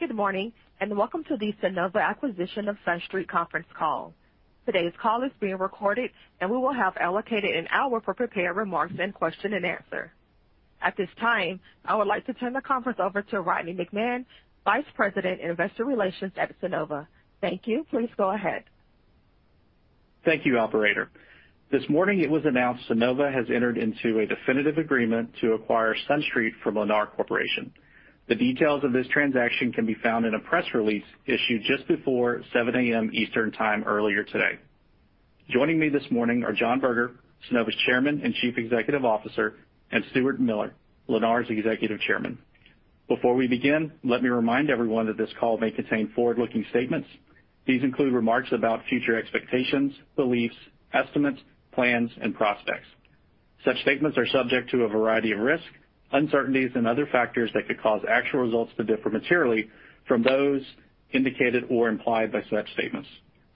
Good morning, and welcome to the Sunnova acquisition of SunStreet conference call. Today's call is being recorded, and we will have allocated one hour for prepared remarks and question and answer. At this time, I would like to turn the conference over to Rodney McMahan, Vice President, Investor Relations at Sunnova. Thank you. Please go ahead. Thank you, operator. This morning it was announced Sunnova has entered into a definitive agreement to acquire SunStreet from Lennar Corporation. The details of this transaction can be found in a press release issued just before 7:00 A.M. Eastern Time earlier today. Joining me this morning are John Berger, Sunnova's Chairman and Chief Executive Officer, and Stuart Miller, Lennar's Executive Chairman. Before we begin, let me remind everyone that this call may contain forward-looking statements. These include remarks about future expectations, beliefs, estimates, plans, and prospects. Such statements are subject to a variety of risk, uncertainties, and other factors that could cause actual results to differ materially from those indicated or implied by such statements.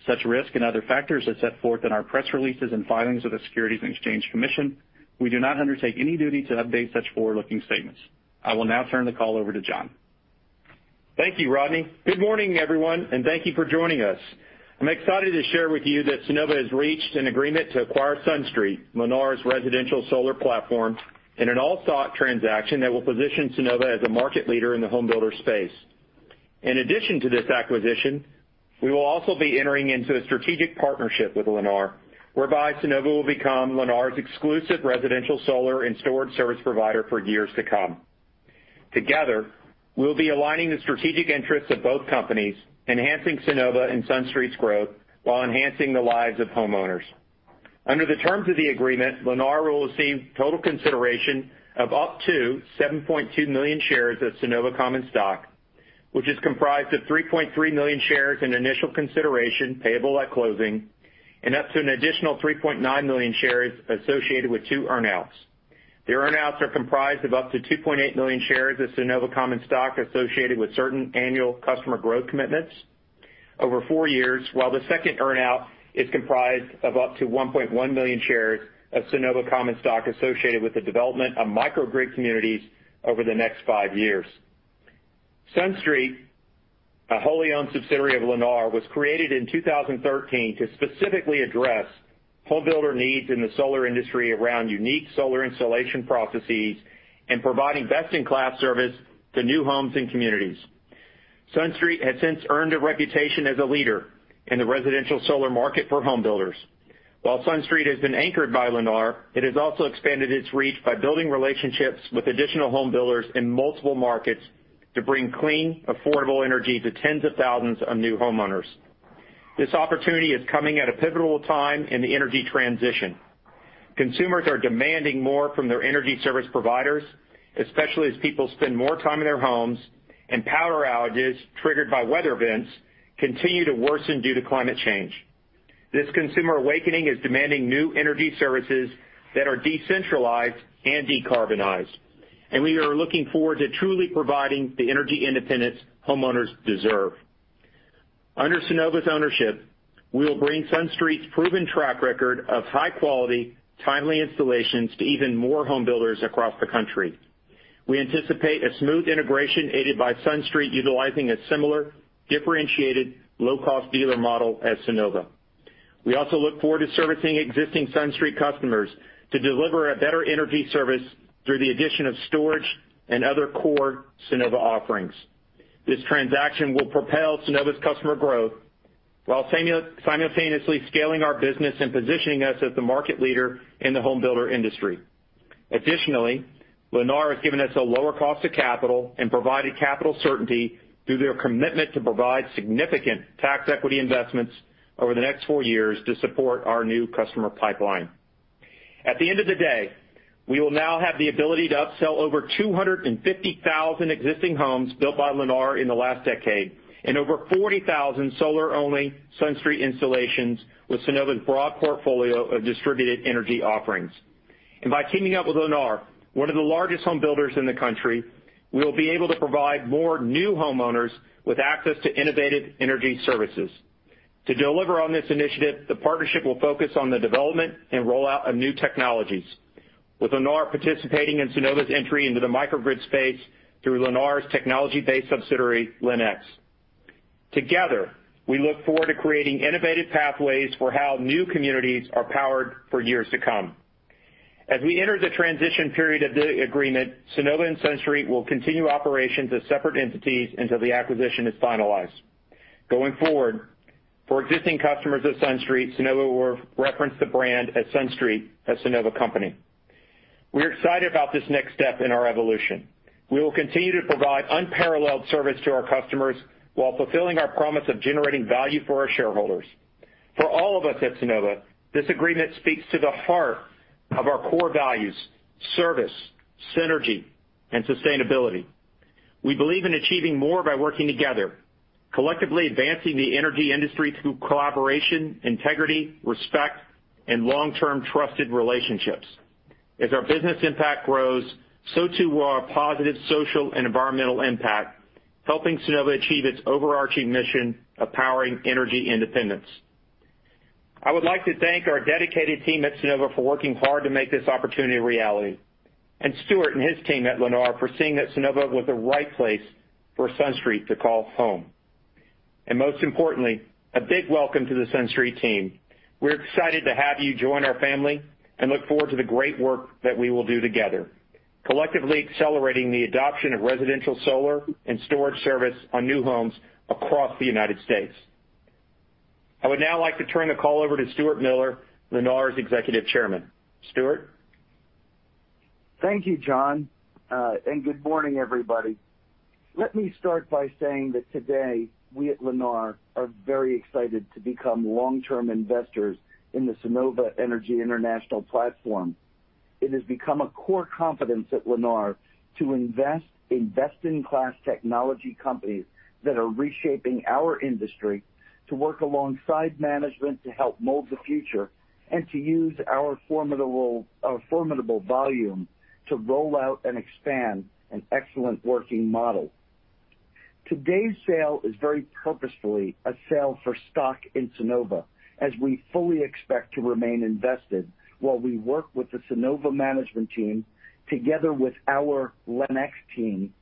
Such risk and other factors are set forth in our press releases and filings with the Securities and Exchange Commission. We do not undertake any duty to update such forward-looking statements. I will now turn the call over to John. Thank you, Rodney. Good morning, everyone, and thank you for joining us. I'm excited to share with you that Sunnova has reached an agreement to acquire SunStreet, Lennar's residential solar platform, in an all-stock transaction that will position Sunnova as a market leader in the home builder space. In addition to this acquisition, we will also be entering into a strategic partnership with Lennar, whereby Sunnova will become Lennar's exclusive residential solar and storage service provider for years to come. Together, we'll be aligning the strategic interests of both companies, enhancing Sunnova and SunStreet's growth while enhancing the lives of homeowners. Under the terms of the agreement, Lennar will receive total consideration of up to 7.2 million shares of Sunnova common stock, which is comprised of 3.3 million shares in initial consideration payable at closing and up to an additional 3.9 million shares associated with two earn-outs. The earn-outs are comprised of up to 2.8 million shares of Sunnova common stock associated with certain annual customer growth commitments over four years, while the second earn-out is comprised of up to 1.1 million shares of Sunnova common stock associated with the development of microgrid communities over the next five years. SunStreet, a wholly owned subsidiary of Lennar, was created in 2013 to specifically address home builder needs in the solar industry around unique solar installation processes and providing best-in-class service to new homes and communities. SunStreet has since earned a reputation as a leader in the residential solar market for home builders. While SunStreet has been anchored by Lennar, it has also expanded its reach by building relationships with additional home builders in multiple markets to bring clean, affordable energy to tens of thousands of new homeowners. This opportunity is coming at a pivotal time in the energy transition. Consumers are demanding more from their energy service providers, especially as people spend more time in their homes and power outages triggered by weather events continue to worsen due to climate change. This consumer awakening is demanding new energy services that are decentralized and decarbonized. We are looking forward to truly providing the energy independence homeowners deserve. Under Sunnova's ownership, we will bring SunStreet's proven track record of high quality, timely installations to even more home builders across the country. We anticipate a smooth integration aided by SunStreet utilizing a similar differentiated low-cost dealer model as Sunnova. We also look forward to servicing existing SunStreet customers to deliver a better energy service through the addition of storage and other core Sunnova offerings. This transaction will propel Sunnova's customer growth while simultaneously scaling our business and positioning us as the market leader in the home builder industry. Additionally, Lennar has given us a lower cost of capital and provided capital certainty through their commitment to provide significant tax equity investments over the next four years to support our new customer pipeline. At the end of the day, we will now have the ability to upsell over 250,000 existing homes built by Lennar in the last decade and over 40,000 solar-only SunStreet installations with Sunnova's broad portfolio of distributed energy offerings. By teaming up with Lennar, one of the largest home builders in the country, we will be able to provide more new homeowners with access to innovative energy services. To deliver on this initiative, the partnership will focus on the development and rollout of new technologies, with Lennar participating in Sunnova's entry into the microgrid space through Lennar's technology-based subsidiary, LEN X. Together, we look forward to creating innovative pathways for how new communities are powered for years to come. As we enter the transition period of the agreement, Sunnova and SunStreet will continue operations as separate entities until the acquisition is finalized. Going forward, for existing customers of SunStreet, Sunnova will reference the brand as SunStreet, a Sunnova company. We're excited about this next step in our evolution. We will continue to provide unparalleled service to our customers while fulfilling our promise of generating value for our shareholders. For all of us at Sunnova, this agreement speaks to the heart of our core values, service, synergy, and sustainability. We believe in achieving more by working together, collectively advancing the energy industry through collaboration, integrity, respect, and long-term trusted relationships. As our business impact grows, so too will our positive social and environmental impact, helping Sunnova achieve its overarching mission of powering energy independence. I would like to thank our dedicated team at Sunnova for working hard to make this opportunity a reality, and Stuart and his team at Lennar for seeing that Sunnova was the right place for SunStreet to call home. Most importantly, a big welcome to the SunStreet team. We're excited to have you join our family and look forward to the great work that we will do together, collectively accelerating the adoption of residential solar and storage service on new homes across the U.S. I would now like to turn the call over to Stuart Miller, Lennar's Executive Chairman. Stuart? Thank you, John, and good morning, everybody? Let me start by saying that today we at Lennar are very excited to become long-term investors in the Sunnova Energy International platform. It has become a core competence at Lennar to invest in best-in-class technology companies that are reshaping our industry, to work alongside management to help mold the future, and to use our formidable volume to roll out and expand an excellent working model. Today's sale is very purposefully a sale for stock in Sunnova, as we fully expect to remain invested while we work with the Sunnova management team, together with our LEN X team,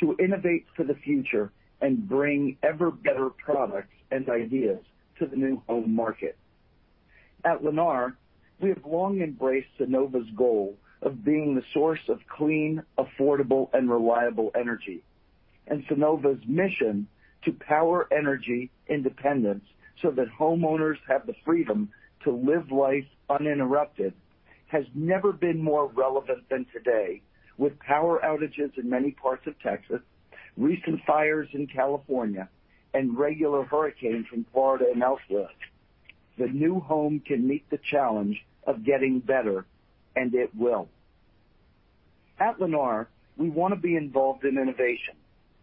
to innovate for the future and bring ever-better products and ideas to the new home market. At Lennar, we have long embraced Sunnova's goal of being the source of clean, affordable, and reliable energy. Sunnova's mission to power energy independence so that homeowners have the freedom to live life uninterrupted has never been more relevant than today. With power outages in many parts of Texas, recent fires in California, and regular hurricanes in Florida and elsewhere, the new home can meet the challenge of getting better, and it will. At Lennar, we want to be involved in innovation.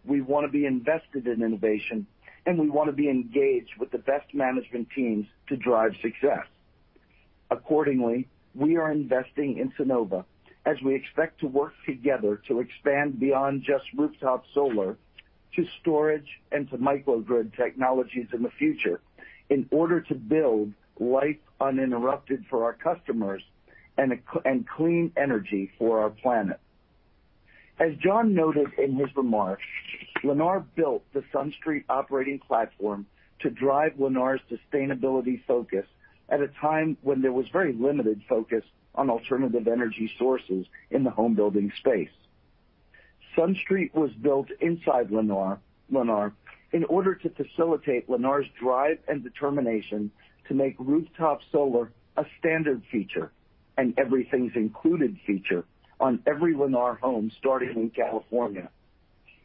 We want to be invested in innovation, and we want to be engaged with the best management teams to drive success. Accordingly, we are investing in Sunnova as we expect to work together to expand beyond just rooftop solar to storage and to microgrid technologies in the future in order to build life uninterrupted for our customers and clean energy for our planet. As John noted in his remarks, Lennar built the SunStreet operating platform to drive Lennar's sustainability focus at a time when there was very limited focus on alternative energy sources in the home building space. SunStreet was built inside Lennar in order to facilitate Lennar's drive and determination to make rooftop solar a standard feature, an Everything's Included feature on every Lennar home starting in California.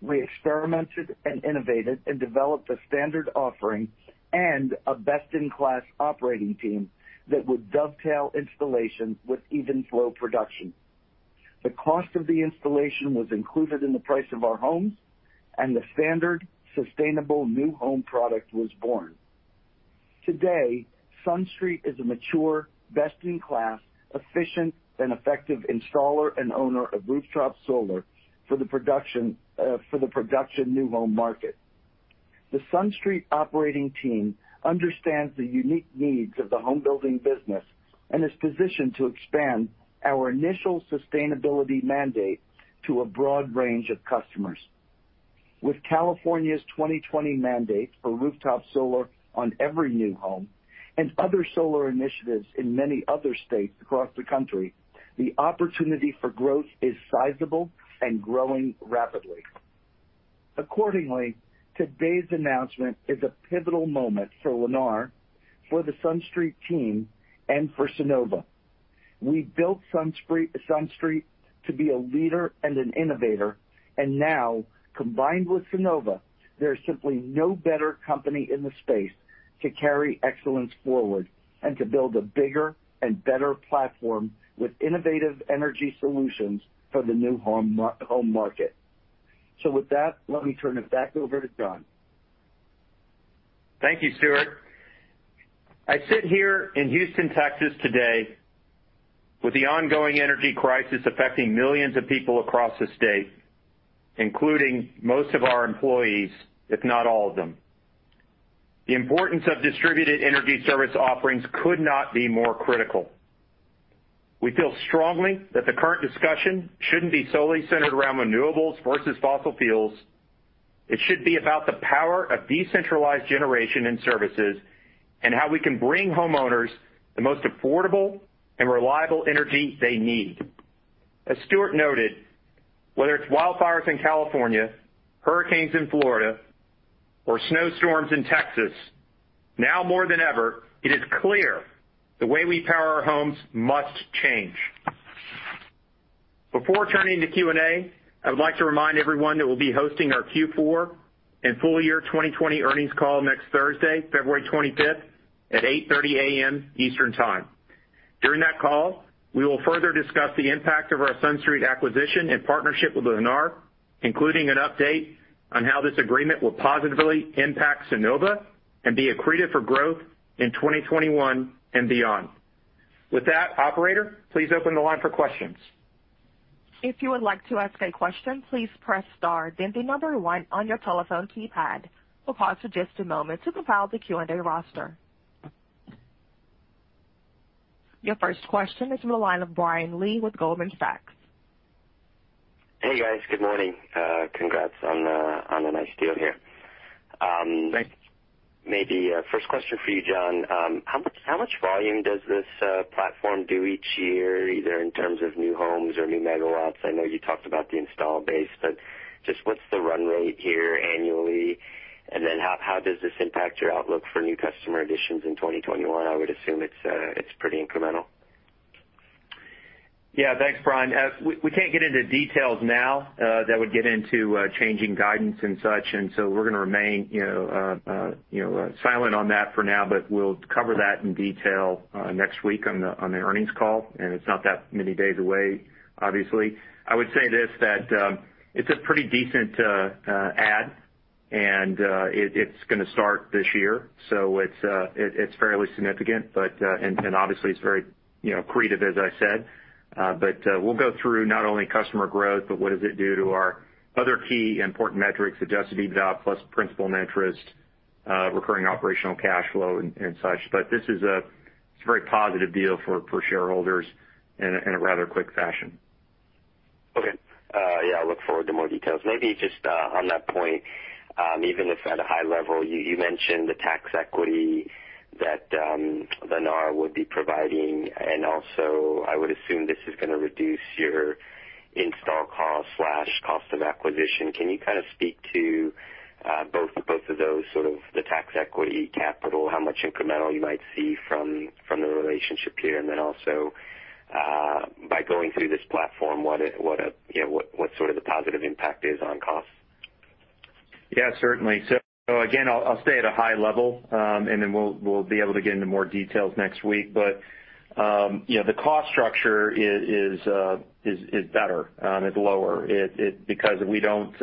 We experimented and innovated and developed a standard offering and a best-in-class operating team that would dovetail installation with even flow production. The cost of the installation was included in the price of our homes, the standard sustainable new home product was born. Today, SunStreet is a mature, best-in-class, efficient, and effective installer and owner of rooftop solar for the production new home market. The SunStreet operating team understands the unique needs of the home building business and is positioned to expand our initial sustainability mandate to a broad range of customers. With California's 2020 mandate for rooftop solar on every new home and other solar initiatives in many other states across the country, the opportunity for growth is sizable and growing rapidly. Today's announcement is a pivotal moment for Lennar, for the SunStreet team, and for Sunnova. We built SunStreet to be a leader and an innovator, and now, combined with Sunnova, there is simply no better company in the space to carry excellence forward and to build a bigger and better platform with innovative energy solutions for the new home market. With that, let me turn it back over to John. Thank you, Stuart. I sit here in Houston, Texas, today with the ongoing energy crisis affecting millions of people across the state, including most of our employees, if not all of them. The importance of distributed energy service offerings could not be more critical. We feel strongly that the current discussion shouldn't be solely centered around renewables versus fossil fuels. It should be about the power of decentralized generation and services and how we can bring homeowners the most affordable and reliable energy they need. As Stuart noted, whether it's wildfires in California, hurricanes in Florida, or snowstorms in Texas, now more than ever, it is clear the way we power our homes must change. Before turning to Q&A, I would like to remind everyone that we'll be hosting our Q4 and full year 2020 earnings call next Thursday, February 25 at 8:30 A.M. Eastern Time. During that call, we will further discuss the impact of our SunStreet acquisition and partnership with Lennar, including an update on how this agreement will positively impact Sunnova and be accretive for growth in 2021 and beyond. With that, operator, please open the line for questions. If you would like to ask a question, please press star then the number one on your telephone keypad. We'll pause for just a moment to compile the Q&A roster. Your first question is from the line of Brian Lee with Goldman Sachs. Hey, guys. Good morning? Congrats on a nice deal here. Thank you. Maybe a first question for you, John. How much volume does this platform do each year, either in terms of new homes or new megawatts? I know you talked about the install base, just what's the run rate here annually? How does this impact your outlook for new customer additions in 2021? I would assume it's pretty incremental. Thanks, Brian. We can't get into details now that would get into changing guidance and such. We're going to remain silent on that for now, but we'll cover that in detail next week on the earnings call. It's not that many days away, obviously. I would say this, that it's a pretty decent add and it's going to start this year, so it's fairly significant. Obviously it's very accretive, as I said. We'll go through not only customer growth, but what does it do to our other key important metrics, adjusted EBITDA plus principal and interest, recurring operational cash flow, and such. This is a very positive deal for shareholders in a rather quick fashion. Okay. Yeah, I look forward to more details. Maybe just on that point, even if at a high level, you mentioned the tax equity that Lennar would be providing, and also I would assume this is going to reduce your install cost/cost of acquisition. Can you speak to both of those, sort of the tax equity capital, how much incremental you might see from the relationship here, and then also by going through this platform, what sort of the positive impact is on cost? Again, I'll stay at a high level, and then we'll be able to get into more details next week. The cost structure is better. It's lower because we don't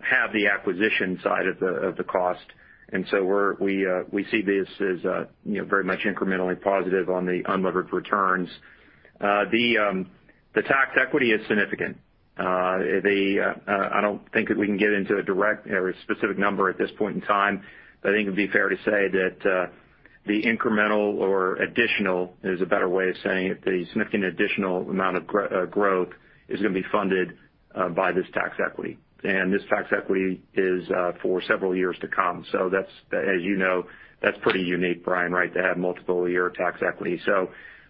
have the acquisition side of the cost, we see this as very much incrementally positive on the unlevered returns. The tax equity is significant. I don't think that we can get into a direct or a specific number at this point in time, but I think it'd be fair to say that the incremental or additional is a better way of saying it, the significant additional amount of growth is going to be funded by this tax equity. This tax equity is for several years to come. As you know, that's pretty unique, Brian, right? To have multiple year tax equity.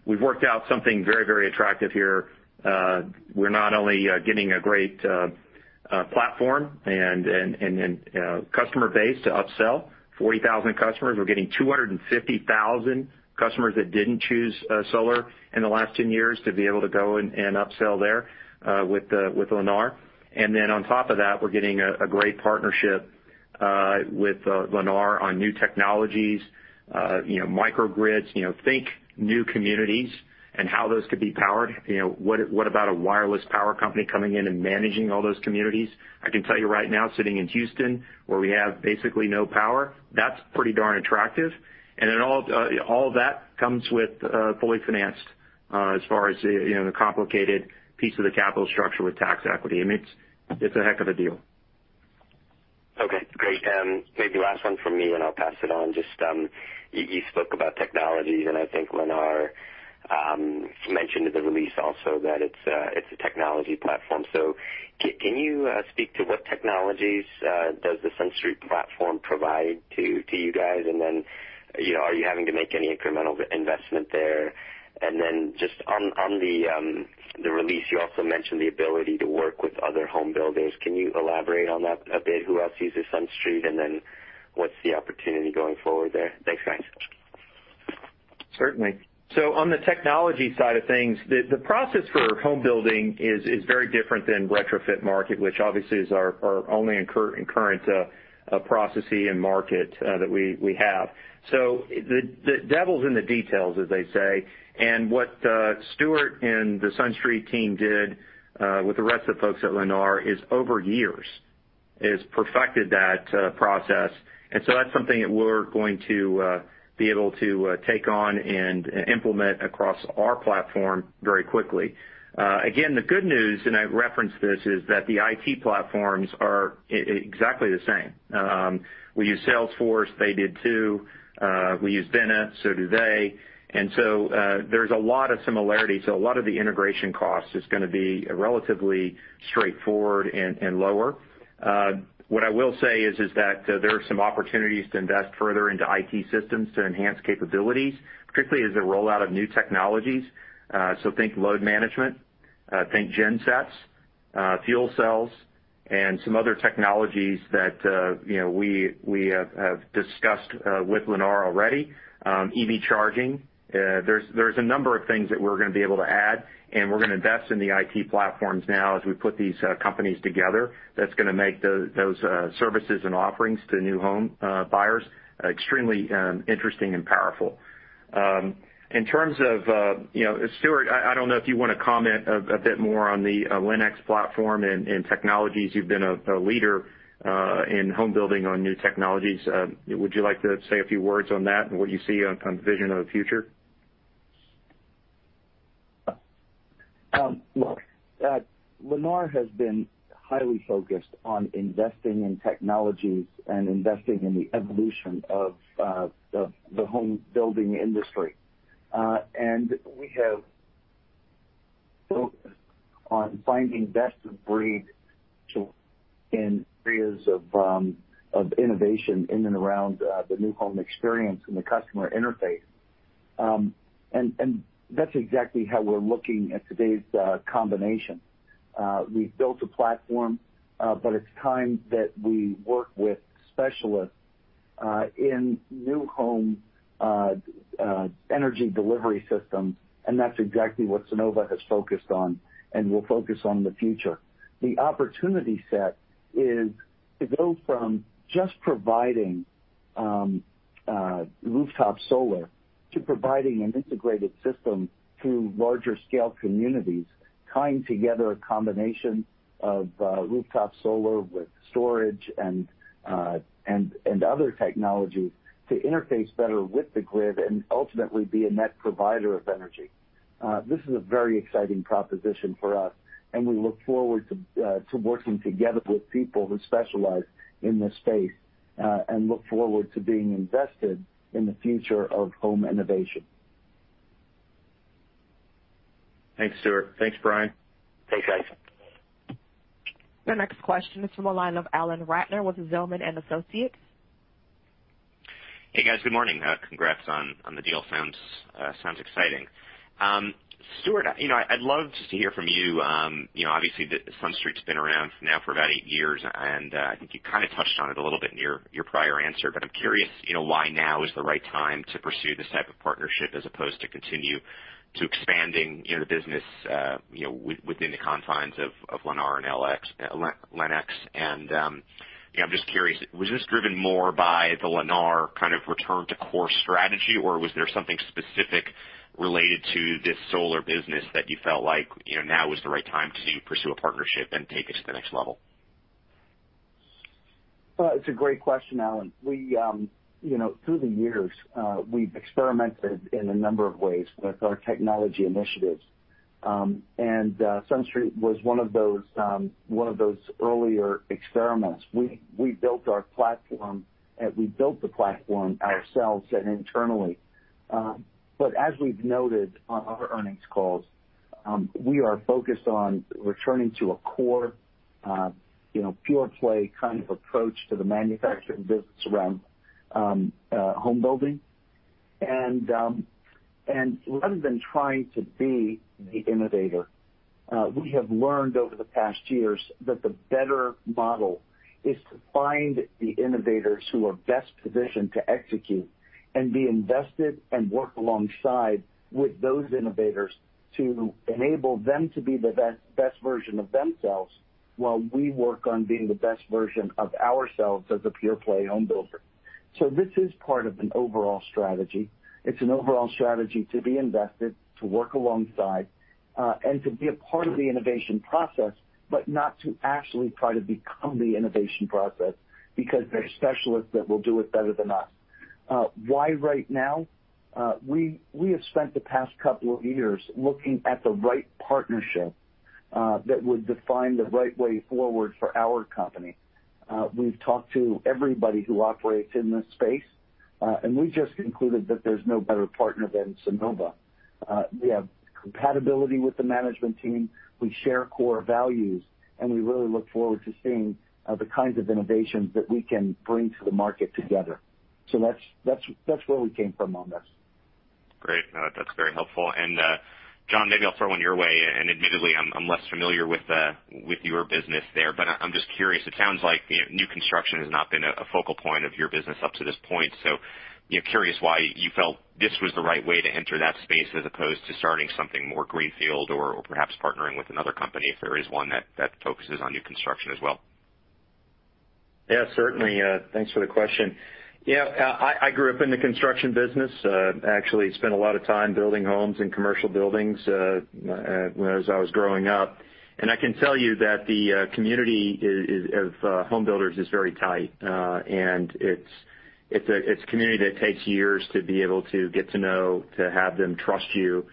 We've worked out something very, very attractive here. We're not only getting a great platform and customer base to upsell 40,000 customers. We're getting 250,000 customers that didn't choose solar in the last 10 years to be able to go and upsell there with Lennar. On top of that, we're getting a great partnership with Lennar on new technologies, microgrids. Think new communities and how those could be powered. What about a wireless power company coming in and managing all those communities? I can tell you right now, sitting in Houston, where we have basically no power, that's pretty darn attractive. All of that comes with fully financed as far as the complicated piece of the capital structure with tax equity. I mean, it's a heck of a deal. Okay, great. Maybe last one from me, and I'll pass it on. You spoke about technologies, and I think Lennar mentioned in the release also that it's a technology platform. Can you speak to what technologies does the SunStreet platform provide to you guys? Are you having to make any incremental investment there? Just on the release, you also mentioned the ability to work with other home builders. Can you elaborate on that a bit? Who else uses SunStreet, and then what's the opportunity going forward there? Thanks, guys. Certainly. On the technology side of things, the process for home building is very different than retrofit market, which obviously is our only current process and market that we have. The devil's in the details, as they say. What Stuart and the SunStreet team did with the rest of the folks at Lennar is over years, perfected that process. That's something that we're going to be able to take on and implement across our platform very quickly. Again, the good news, and I referenced this, is that the IT platforms are exactly the same. We use Salesforce. They did too. We use Vena, so do they. There's a lot of similarity. A lot of the integration cost is going to be relatively straightforward and lower. What I will say is that there are some opportunities to invest further into IT systems to enhance capabilities, particularly as a rollout of new technologies. Think load management, think gensets, fuel cells, and some other technologies that we have discussed with Lennar already. EV charging. There's a number of things that we're going to be able to add, and we're going to invest in the IT platforms now as we put these companies together. That's going to make those services and offerings to new home buyers extremely interesting and powerful. In terms of Stuart, I don't know if you want to comment a bit more on the LEN X platform and technologies. You've been a leader in home building on new technologies. Would you like to say a few words on that and what you see on vision of the future? Look, Lennar has been highly focused on investing in technologies and investing in the evolution of the home building industry. We have focused on finding best of breed in areas of innovation in and around the new home experience and the customer interface. That's exactly how we're looking at today's combination. We've built a platform, but it's time that we work with specialists in new home energy delivery systems, and that's exactly what Sunnova has focused on and will focus on in the future. The opportunity set is to go from just providing rooftop solar to providing an integrated system to larger scale communities, tying together a combination of rooftop solar with storage and other technology to interface better with the grid and ultimately be a net provider of energy. This is a very exciting proposition for us. We look forward to working together with people who specialize in this space, and look forward to being invested in the future of home innovation. Thanks, Stuart. Thanks, Brian. Thanks, guys. The next question is from the line of Alan Ratner with Zelman & Associates. Hey, guys. Good morning? Congrats on the deal. Sounds exciting. Stuart, I'd love just to hear from you. Obviously, SunStreet's been around now for about eight years, and I think you kind of touched on it a little bit in your prior answer, but I'm curious why now is the right time to pursue this type of partnership as opposed to continue to expanding the business within the confines of Lennar and LEN X. I'm just curious, was this driven more by the Lennar kind of return to core strategy, or was there something specific related to this solar business that you felt now is the right time to pursue a partnership and take it to the next level? It's a great question, Alan. Through the years, we've experimented in a number of ways with our technology initiatives. SunStreet was one of those earlier experiments. We built the platform ourselves and internally. As we've noted on other earnings calls, we are focused on returning to a core pure play kind of approach to the manufacturing business around home building. Rather than trying to be the innovator, we have learned over the past years that the better model is to find the innovators who are best positioned to execute and be invested and work alongside with those innovators to enable them to be the best version of themselves while we work on being the best version of ourselves as a pure play home builder. This is part of an overall strategy. It's an overall strategy to be invested, to work alongside, and to be a part of the innovation process, but not to actually try to become the innovation process, because there are specialists that will do it better than us. Why right now? We have spent the past couple of years looking at the right partnership that would define the right way forward for our company. We've talked to everybody who operates in this space, and we just concluded that there's no better partner than Sunnova. We have compatibility with the management team. We share core values, and we really look forward to seeing the kinds of innovations that we can bring to the market together. That's where we came from on this. Great. No, that's very helpful. John, maybe I'll throw one your way, and admittedly, I'm less familiar with your business there, but I'm just curious. It sounds like new construction has not been a focal point of your business up to this point. Curious why you felt this was the right way to enter that space as opposed to starting something more greenfield or perhaps partnering with another company if there is one that focuses on new construction as well. Yeah, certainly. Thanks for the question. I grew up in the construction business. Actually spent a lot of time building homes and commercial buildings as I was growing up. I can tell you that the community of home builders is very tight. It's a community that takes years to be able to get to know, to have them trust you,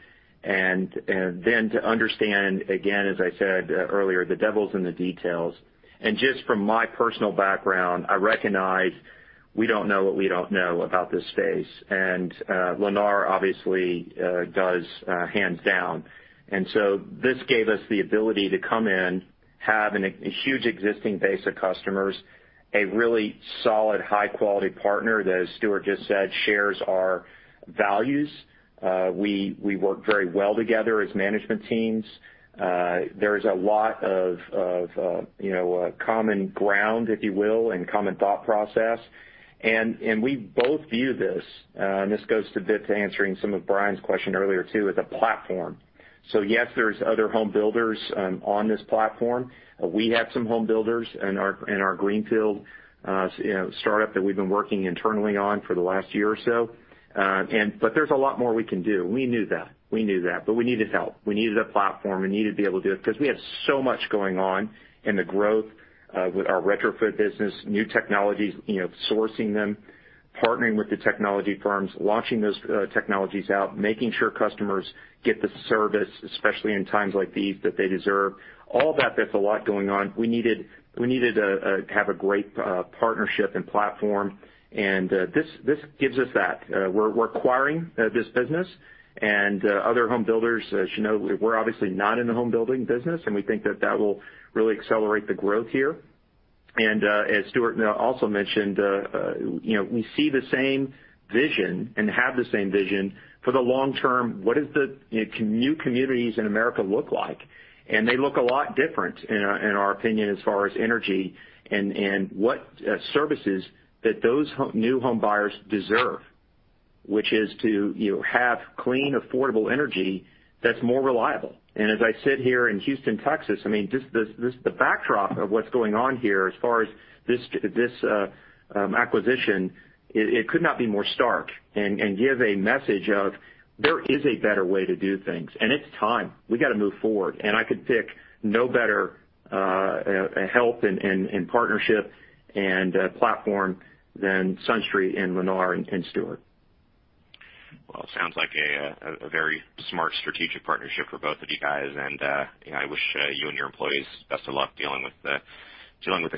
and then to understand, again, as I said earlier, the devil's in the details. Just from my personal background, I recognize we don't know what we don't know about this space. Lennar obviously does hands down. This gave us the ability to come in, have a huge existing base of customers, a really solid, high-quality partner that, as Stuart just said, shares our values. We work very well together as management teams. There's a lot of common ground, if you will, and common thought process. We both view this, and this goes a bit to answering some of Brian's question earlier, too, as a platform. Yes, there's other home builders on this platform. We have some home builders in our greenfield startup that we've been working internally on for the last year or so. There's a lot more we can do. We needed help. We needed a platform. We needed to be able to do it because we have so much going on in the growth with our retrofit business, new technologies, sourcing them, partnering with the technology firms, launching those technologies out, making sure customers get the service, especially in times like these, that they deserve. All that, there's a lot going on. We needed to have a great partnership and platform. This gives us that. We're acquiring this business and other home builders should know we're obviously not in the home building business, and we think that that will really accelerate the growth here. As Stuart also mentioned we see the same vision and have the same vision for the long term. What does the new communities in America look like? They look a lot different, in our opinion, as far as energy and what services that those new home buyers deserve, which is to have clean, affordable energy that's more reliable. As I sit here in Houston, Texas, just the backdrop of what's going on here as far as this acquisition, it could not be more stark and give a message of there is a better way to do things, and it's time. We got to move forward, and I could pick no better help and partnership and platform than SunStreet and Lennar and Stuart. It sounds like a very smart strategic partnership for both of you guys. I wish you and your employees best of luck dealing with the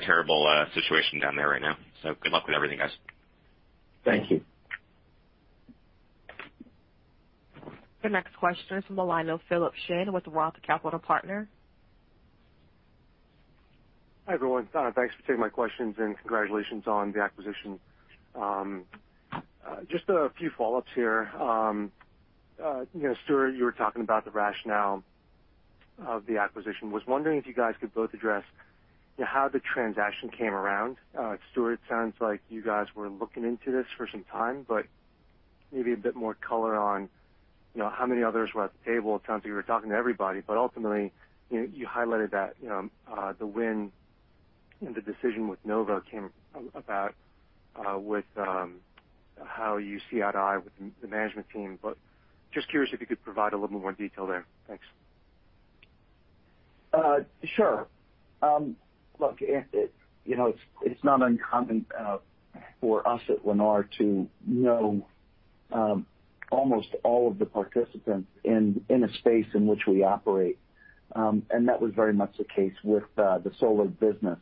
terrible situation down there right now. Good luck with everything, guys. Thank you. The next question is from the line of Philip Shen with ROTH Capital Partners. Hi, everyone? Thanks for taking my questions and congratulations on the acquisition. Just a few follow-ups here. Stuart, you were talking about the rationale of the acquisition. I was wondering if you guys could both address how the transaction came around. Stuart, it sounds like you guys were looking into this for some time. Maybe a bit more color on how many others were at the table. It sounds like you were talking to everybody. Ultimately, you highlighted that the win and the decision with Nova came about with how you see eye to eye with the management team. I'm just curious if you could provide a little more detail there. Thanks. Sure. Look, it's not uncommon for us at Lennar to know almost all of the participants in a space in which we operate. That was very much the case with the solar business.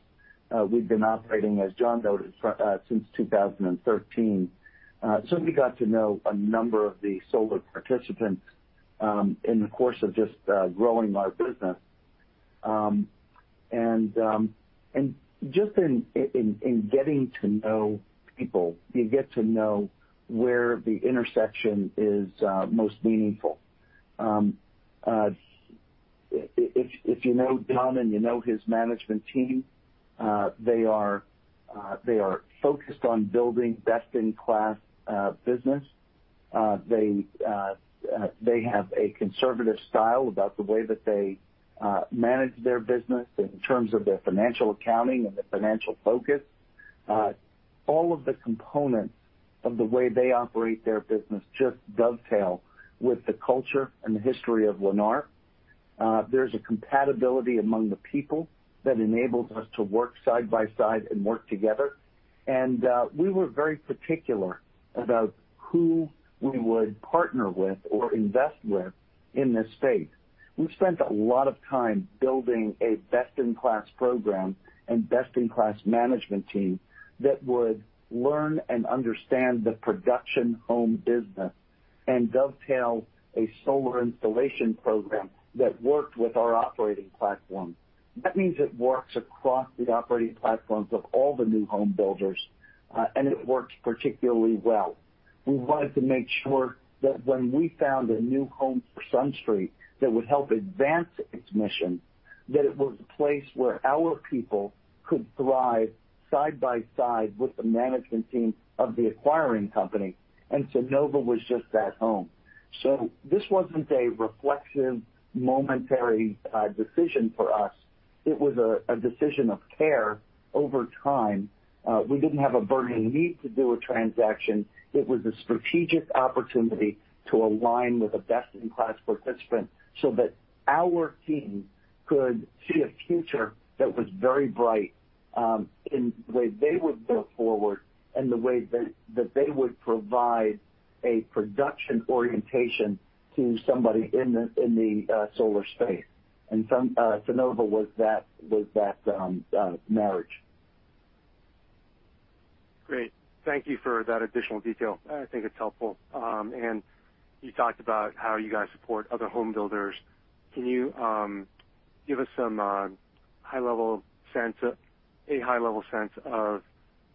We've been operating, as John noted, since 2013. We got to know a number of the solar participants in the course of just growing our business. Just in getting to know people, you get to know where the intersection is most meaningful. If you know John and you know his management team they are focused on building best-in-class business. They have a conservative style about the way that they manage their business in terms of their financial accounting and their financial focus. All of the components of the way they operate their business just dovetail with the culture and the history of Lennar. There's a compatibility among the people that enables us to work side by side and work together. We were very particular about who we would partner with or invest with in this space. We spent a lot of time building a best-in-class program and best-in-class management team that would learn and understand the production home business and dovetail a solar installation program that worked with our operating platform. That means it works across the operating platforms of all the new home builders, and it works particularly well. We wanted to make sure that when we found a new home for SunStreet that would help advance its mission, that it was a place where our people could thrive side by side with the management team of the acquiring company. Sunnova was just that home. This wasn't a reflexive, momentary decision for us. It was a decision of care over time. We didn't have a burning need to do a transaction. It was a strategic opportunity to align with a best-in-class participant so that our team could see a future that was very bright in the way they would go forward and the way that they would provide a production orientation to somebody in the solar space. Sunnova was that marriage. Great. Thank you for that additional detail. I think it's helpful. You talked about how you guys support other home builders. Can you give us a high level sense of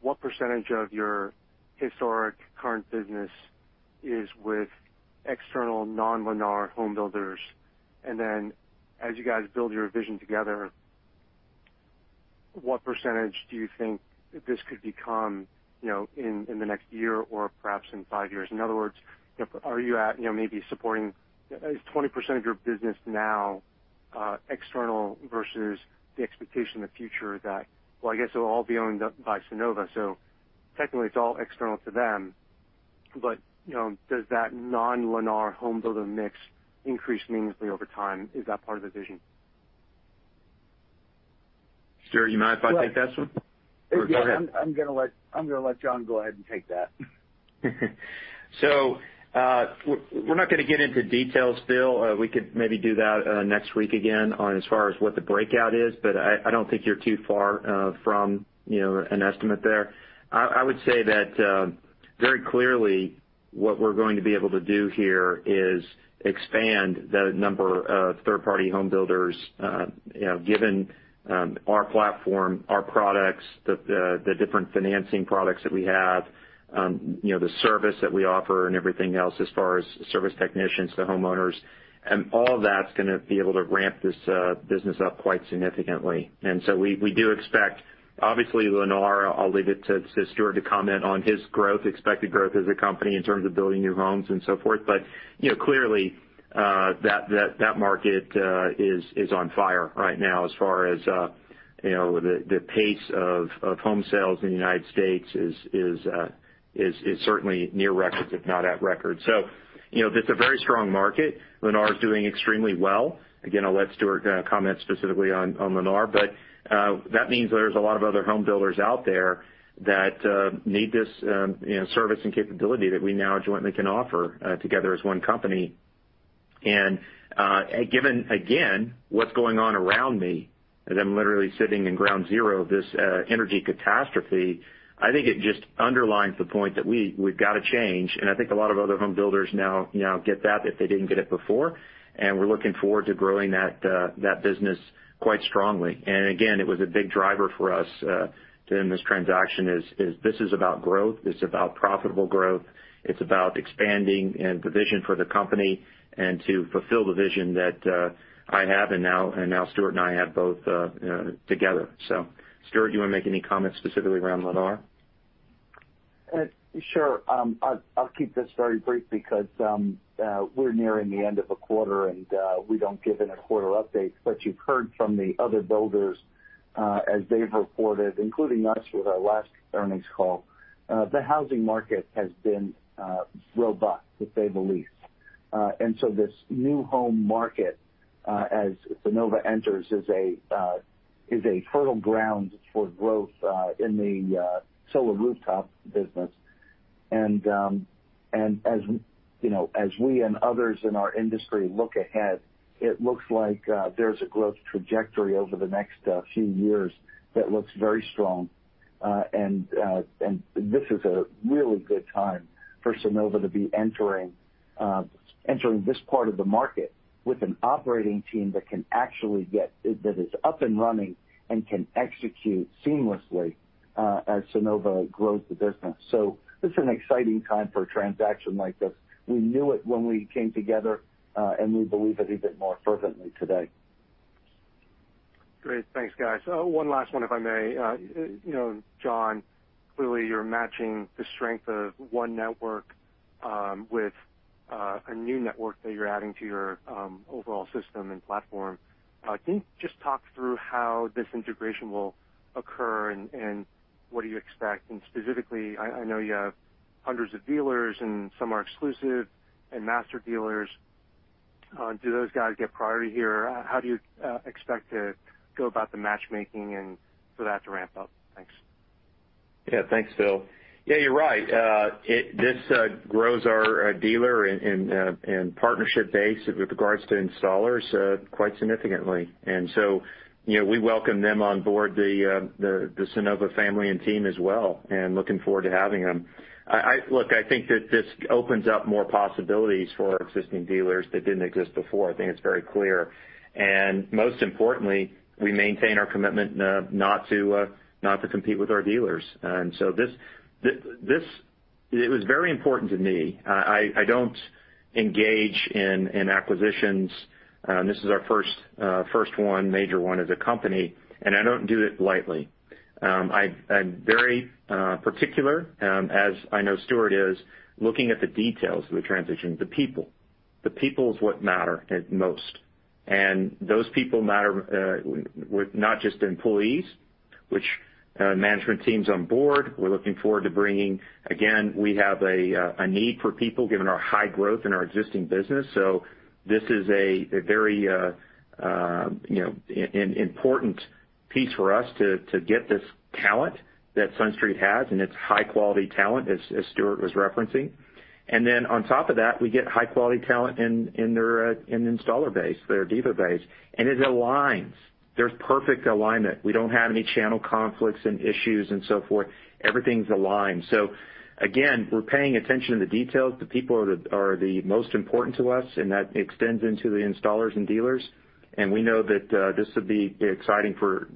what percentage of your historic current business is with external non-Lennar home builders? As you guys build your vision together, what percentage do you think this could become in the next year or perhaps in five years? In other words, is 20% of your business now external versus the expectation in the future that, well, I guess it'll all be owned up by Sunnova, so technically it's all external to them. Does that non-Lennar home builder mix increase meaningfully over time? Is that part of the vision? Stuart, you mind if I take that one? Go ahead. I'm going to let John go ahead and take that. We're not going to get into details, Phil. We could maybe do that next week again on as far as what the breakout is. I don't think you're too far from an estimate there. I would say that. Very clearly, what we're going to be able to do here is expand the number of third-party home builders given our platform, our products, the different financing products that we have, the service that we offer, and everything else as far as service technicians to homeowners. All of that's going to be able to ramp this business up quite significantly. We do expect, obviously, Lennar, I'll leave it to Stuart to comment on his expected growth as a company in terms of building new homes and so forth. Clearly that market is on fire right now as far as the pace of home sales in the United States is certainly near record, if not at record. It's a very strong market. Lennar is doing extremely well. Again, I'll let Stuart comment specifically on Lennar. That means there's a lot of other home builders out there that need this service and capability that we now jointly can offer together as one company. Given, again, what's going on around me, and I'm literally sitting in ground zero of this energy catastrophe, I think it just underlines the point that we've got to change. I think a lot of other home builders now get that if they didn't get it before, and we're looking forward to growing that business quite strongly. Again, it was a big driver for us doing this transaction is, this is about growth, it's about profitable growth, it's about expanding and the vision for the company, and to fulfill the vision that I have, and now Stuart and I have both together. Stuart, do you want to make any comments specifically around Lennar? Sure. I'll keep this very brief because we're nearing the end of a quarter, and we don't give inter-quarter updates. You've heard from the other builders as they've reported, including us with our last earnings call. The housing market has been robust, to say the least. This new home market as Sunnova enters is a fertile ground for growth in the solar rooftop business. As we and others in our industry look ahead, it looks like there's a growth trajectory over the next few years that looks very strong. This is a really good time for Sunnova to be entering this part of the market with an operating team that is up and running and can execute seamlessly as Sunnova grows the business. This is an exciting time for a transaction like this. We knew it when we came together. We believe it even more fervently today. Great. Thanks, guys. One last one, if I may. John, clearly you're matching the strength of one network with a new network that you're adding to your overall system and platform. Can you just talk through how this integration will occur and what do you expect? Specifically, I know you have hundreds of dealers and some are exclusive and master dealers. Do those guys get priority here? How do you expect to go about the matchmaking and for that to ramp up? Thanks. Yes. Thanks, Phil. Yes, you're right. This grows our dealer and partnership base with regards to installers quite significantly. We welcome them on board the Sunnova family and team as well, and looking forward to having them. Look, I think that this opens up more possibilities for our existing dealers that didn't exist before. I think it's very clear. Most importantly, we maintain our commitment not to compete with our dealers. It was very important to me. I don't engage in acquisitions. This is our first one, major one as a company, and I don't do it lightly. I'm very particular as I know Stuart is looking at the details of the transition, the people. The people is what matter most. Those people matter with not just employees, which management teams on board we're looking forward to bringing. Again, we have a need for people given our high growth in our existing business. This is a very important piece for us to get this talent that SunStreet has, and it's high-quality talent as Stuart was referencing. On top of that, we get high-quality talent in their installer base, their dealer base, and it aligns. There's perfect alignment. We don't have any channel conflicts and issues and so forth. Everything's aligned. Again, we're paying attention to the details. The people are the most important to us, and that extends into the installers and dealers. We know that this would be exciting for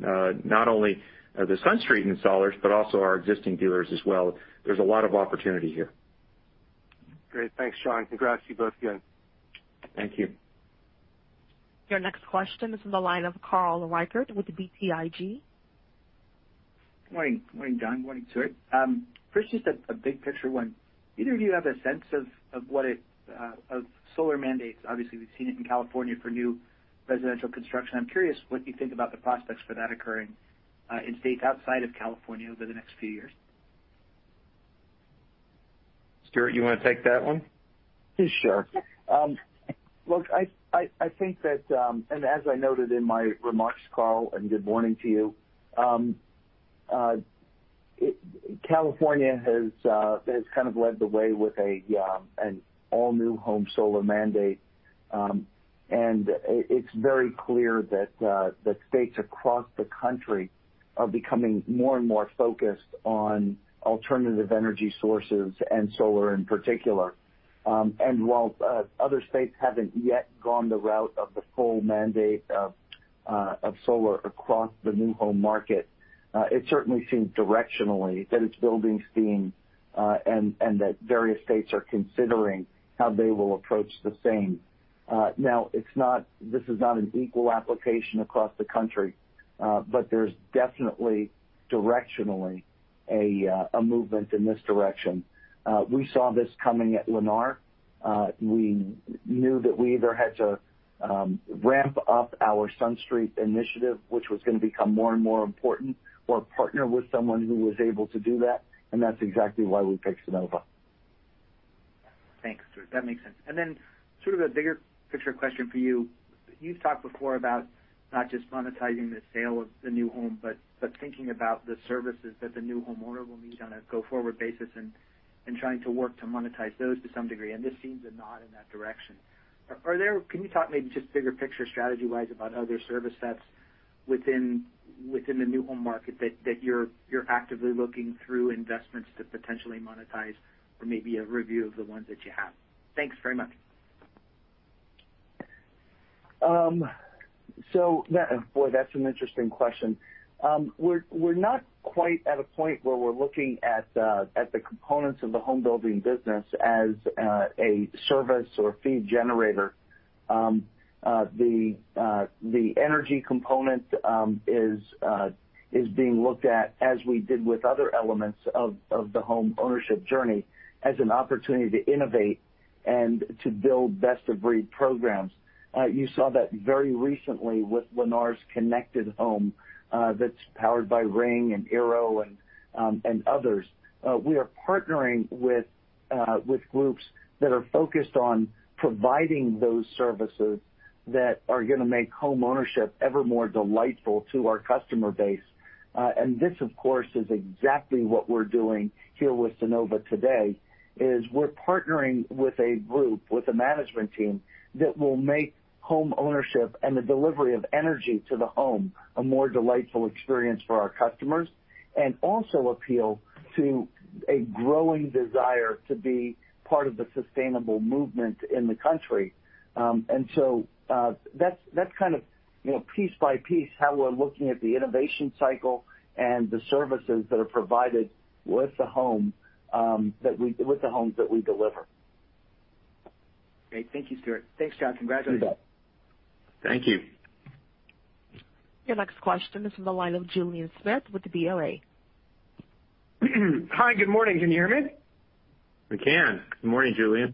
not only the SunStreet installers, but also our existing dealers as well. There's a lot of opportunity here. Great. Thanks, John. Congrats to you both again. Thank you. Your next question is on the line of Carl Reichardt with BTIG. Morning. Morning John? Morning Stuart? First, just a big picture one. Either of you have a sense of solar mandates? Obviously, we've seen it in California for new residential construction. I'm curious what you think about the prospects for that occurring in states outside of California over the next few years. Stuart, you want to take that one? Sure. Look, I think that and as I noted in my remarks, Carl. Good morning to you. California has kind of led the way with an all-new home solar mandate. It's very clear that states across the country are becoming more and more focused on alternative energy sources and solar in particular. While other states haven't yet gone the route of the full mandate of solar across the new home market, it certainly seems directionally that it's building steam, and that various states are considering how they will approach the same. Now, this is not an equal application across the country, but there's definitely directionally a movement in this direction. We saw this coming at Lennar. We knew that we either had to ramp up our SunStreet initiative, which was going to become more and more important, or partner with someone who was able to do that. That's exactly why we picked Sunnova. Thanks, Stuart. That makes sense. Then sort of a bigger picture question for you. You've talked before about not just monetizing the sale of the new home, but thinking about the services that the new homeowner will need on a go-forward basis and trying to work to monetize those to some degree, and this seems a nod in that direction. Can you talk maybe just bigger picture strategy-wise about other service sets within the new home market that you're actively looking through investments to potentially monetize or maybe a review of the ones that you have? Thanks very much. Boy, that's an interesting question. We're not quite at a point where we're looking at the components of the home building business as a service or fee generator. The energy component is being looked at as we did with other elements of the home ownership journey as an opportunity to innovate and to build best-of-breed programs. You saw that very recently with Lennar's Connected Home that's powered by Ring and eero and others. We are partnering with groups that are focused on providing those services that are going to make home ownership ever more delightful to our customer base. This, of course, is exactly what we're doing here with Sunnova today, is we're partnering with a group, with a management team that will make home ownership and the delivery of energy to the home a more delightful experience for our customers, and also appeal to a growing desire to be part of the sustainable movement in the country. That's kind of piece by piece, how we're looking at the innovation cycle and the services that are provided with the homes that we deliver. Great. Thank you, Stuart. Thanks, John. Congratulations. You bet. Thank you. Your next question is from the line of Julien Smith with the BOA. Hi. Good morning, can you hear me? We can. Good morning, Julien.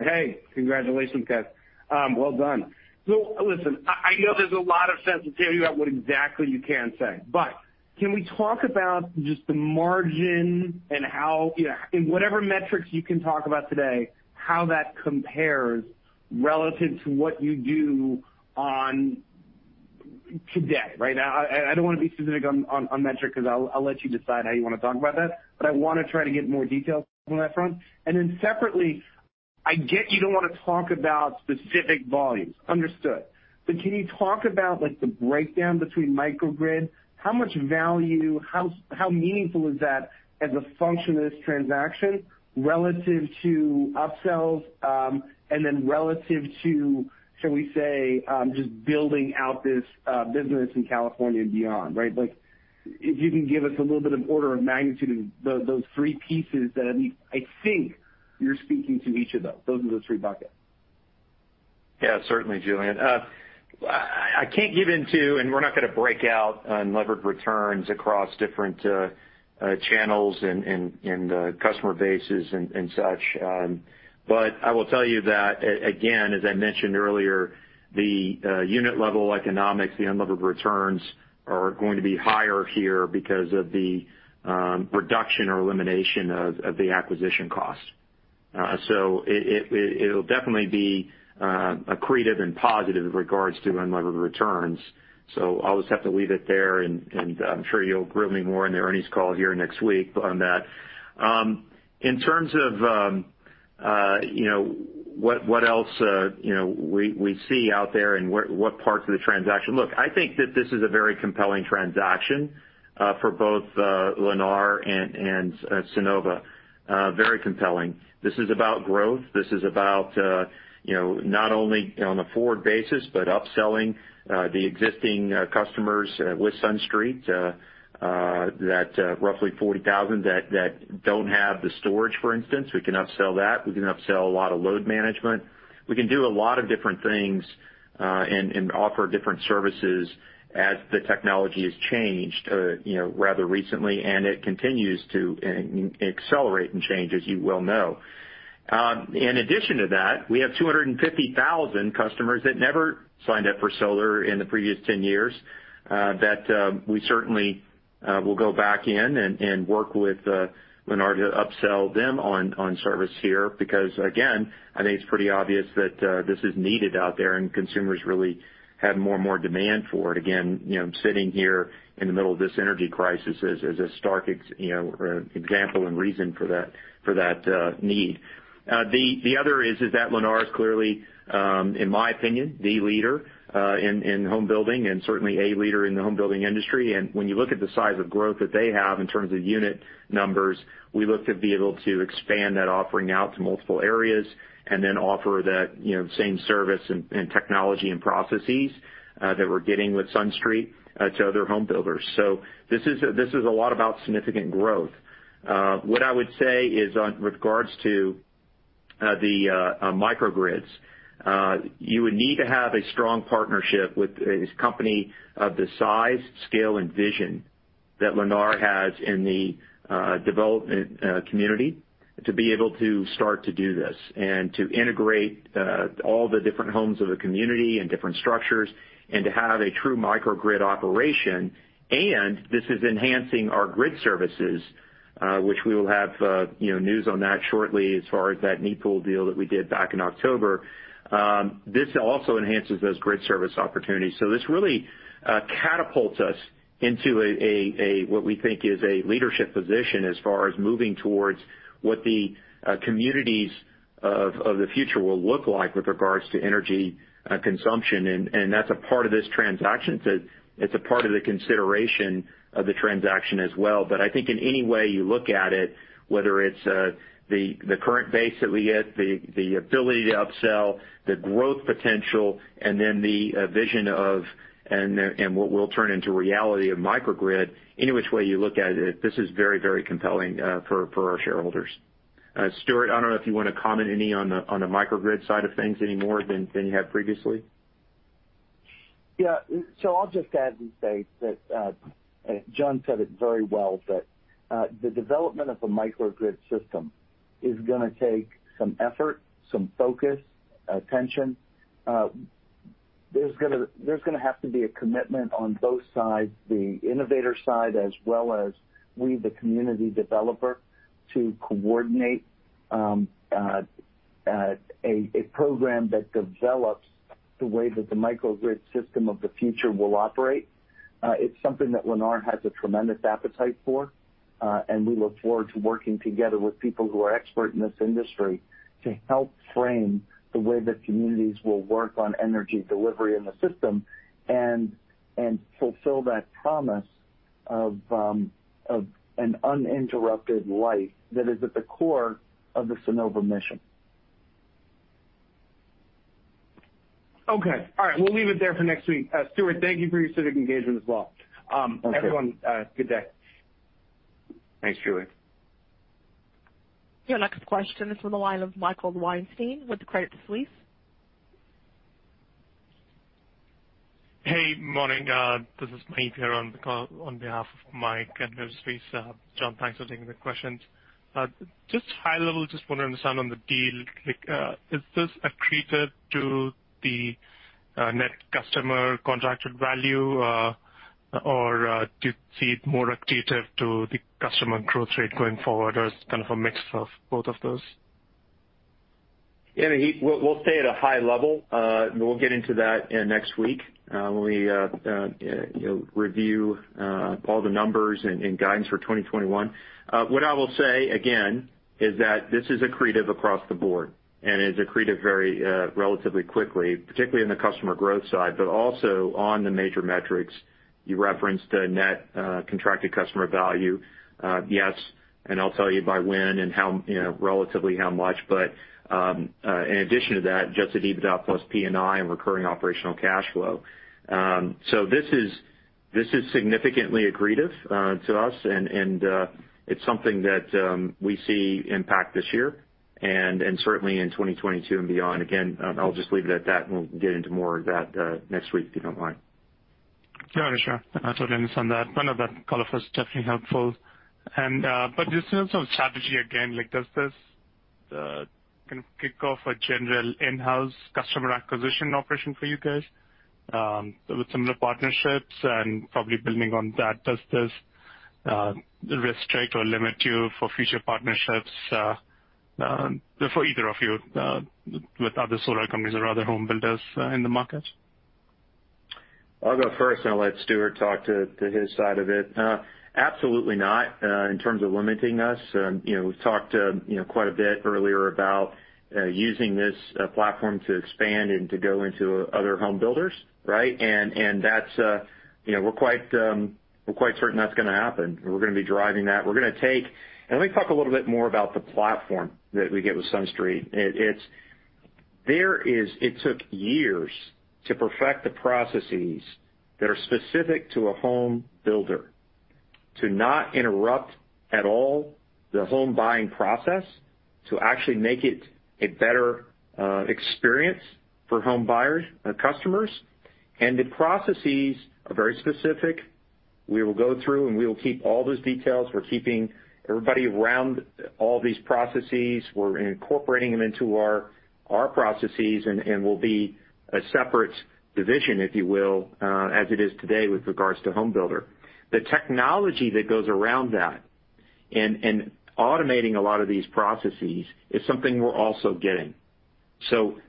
Hey. Congratulations, guys. Well done. Listen, I know there's a lot of sensitivity about what exactly you can say, but can we talk about just the margin and how, in whatever metrics you can talk about today, how that compares relative to what you do on today, right? Now, I don't want to be specific on metric because I'll let you decide how you want to talk about that, but I want to try to get more details on that front. Separately, I get you don't want to talk about specific volumes. Understood. Can you talk about the breakdown between microgrid? How much value, how meaningful is that as a function of this transaction relative to upsells, and then relative to, shall we say, just building out this business in California and beyond, right? If you can give us a little bit of order of magnitude of those three pieces that I think you're speaking to each of those. Those are the three buckets. Yeah. Certainly, Julien. I can't give into, and we're not going to break out unlevered returns across different channels and the customer bases and such. I will tell you that, again, as I mentioned earlier, the unit-level economics, the unlevered returns are going to be higher here because of the reduction or elimination of the acquisition cost. It'll definitely be accretive and positive in regards to unlevered returns. I'll just have to leave it there, and I'm sure you'll grill me more in the earnings call here next week on that. In terms of what else we see out there and what parts of the transaction, look, I think that this is a very compelling transaction for both Lennar and Sunnova. Very compelling. This is about growth. This is about not only on a forward basis, but upselling the existing customers with SunStreet, that roughly 40,000 that don't have the storage, for instance. We can upsell that. We can upsell a lot of load management. We can do a lot of different things and offer different services as the technology has changed rather recently, and it continues to accelerate and change as you well know. In addition to that, we have 250,000 customers that never signed up for solar in the previous 10 years, that we certainly will go back in and work with Lennar to upsell them on service here. Because again, I think it's pretty obvious that this is needed out there and consumers really have more and more demand for it. Again, sitting here in the middle of this energy crisis is a stark example and reason for that need. The other is that Lennar is clearly, in my opinion, the leader in home building and certainly a leader in the home building industry. When you look at the size of growth that they have in terms of unit numbers, we look to be able to expand that offering out to multiple areas and offer that same service and technology and processes that we're getting with SunStreet to other home builders. This is a lot about significant growth. What I would say is on regards to the microgrids, you would need to have a strong partnership with a company of the size, scale, and vision that Lennar has in the development community to be able to start to do this and to integrate all the different homes of the community and different structures, and to have a true microgrid operation. This is enhancing our grid services, which we will have news on that shortly as far as that NEPOOL deal that we did back in October. This also enhances those grid service opportunities. This really catapults us into what we think is a leadership position as far as moving towards what the communities of the future will look like with regards to energy consumption. That's a part of this transaction. It's a part of the consideration of the transaction as well. I think in any way you look at it, whether it's the current base that we get, the ability to upsell, the growth potential, and then the vision and what we'll turn into reality of microgrid. Any which way you look at it, this is very compelling for our shareholders. Stuart, I don't know if you want to comment any on the microgrid side of things any more than you have previously. Yeah. I'll just add and say that John said it very well, that the development of a microgrid system is going to take some effort, some focus, attention. There's going to have to be a commitment on both sides, the innovator side, as well as we, the community developer, to coordinate a program that develops the way that the microgrid system of the future will operate. It's something that Lennar has a tremendous appetite for. We look forward to working together with people who are expert in this industry to help frame the way that communities will work on energy delivery in the system and fulfill that promise of an uninterrupted life that is at the core of the Sunnova mission. Okay. All right. We'll leave it there for next week. Stuart, thank you for your civic engagement as well. Okay. Everyone, good day. Thanks, Julien. Your next question is on the line of Michael Weinstein with Credit Suisse. Hey, morning. This is Maheep here on behalf of Mike at Credit Suisse. John, thanks for taking the questions. Just high level, just want to understand on the deal, like is this accretive to the net contracted customer value? Do you see it more accretive to the customer growth rate going forward, or it's kind of a mix of both of those? Maheep, we'll stay at a high level. We'll get into that next week when we review all the numbers and guidance for 2021. What I will say again is that this is accretive across the board and is accretive very relatively quickly, particularly in the customer growth side, also on the major metrics. You referenced the net contracted customer value. Yes, I'll tell you by when and relatively how much, in addition to that, adjusted EBITDA plus P&I and recurring operational cash flow. This is significantly accretive to us and it's something that we see impact this year and certainly in 2022 and beyond. Again, I'll just leave it at that we'll get into more of that next week, if you don't mind. Yeah, sure. Totally understand that. No, that call was definitely helpful. Just in terms of strategy again, like does this kind of kick off a general in-house customer acquisition operation for you guys with similar partnerships? Probably building on that, does this restrict or limit you for future partnerships, for either of you, with other solar companies or other home builders in the market? I'll go first, then I'll let Stuart talk to his side of it. Absolutely not, in terms of limiting us. We've talked quite a bit earlier about using this platform to expand and to go into other home builders, right? We're quite certain that's going to happen. We're going to be driving that. Let me talk a little bit more about the platform that we get with SunStreet. It took years to perfect the processes that are specific to a home builder to not interrupt at all the home buying process, to actually make it a better experience for home buyers and customers. The processes are very specific. We will go through and we will keep all those details. We're keeping everybody around all these processes. We're incorporating them into our processes and will be a separate division, if you will, as it is today with regards to homebuilder. The technology that goes around that and automating a lot of these processes is something we're also getting.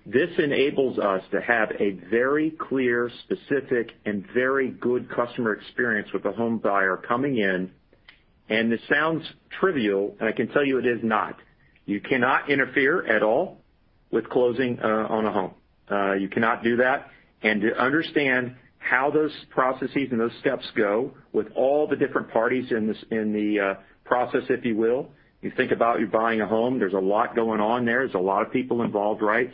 This enables us to have a very clear, specific, and very good customer experience with the home buyer coming in. This sounds trivial, and I can tell you it is not. You cannot interfere at all with closing on a home. You cannot do that. To understand how those processes and those steps go with all the different parties in the process, if you will. You think about you buying a home. There's a lot going on there. There's a lot of people involved, right?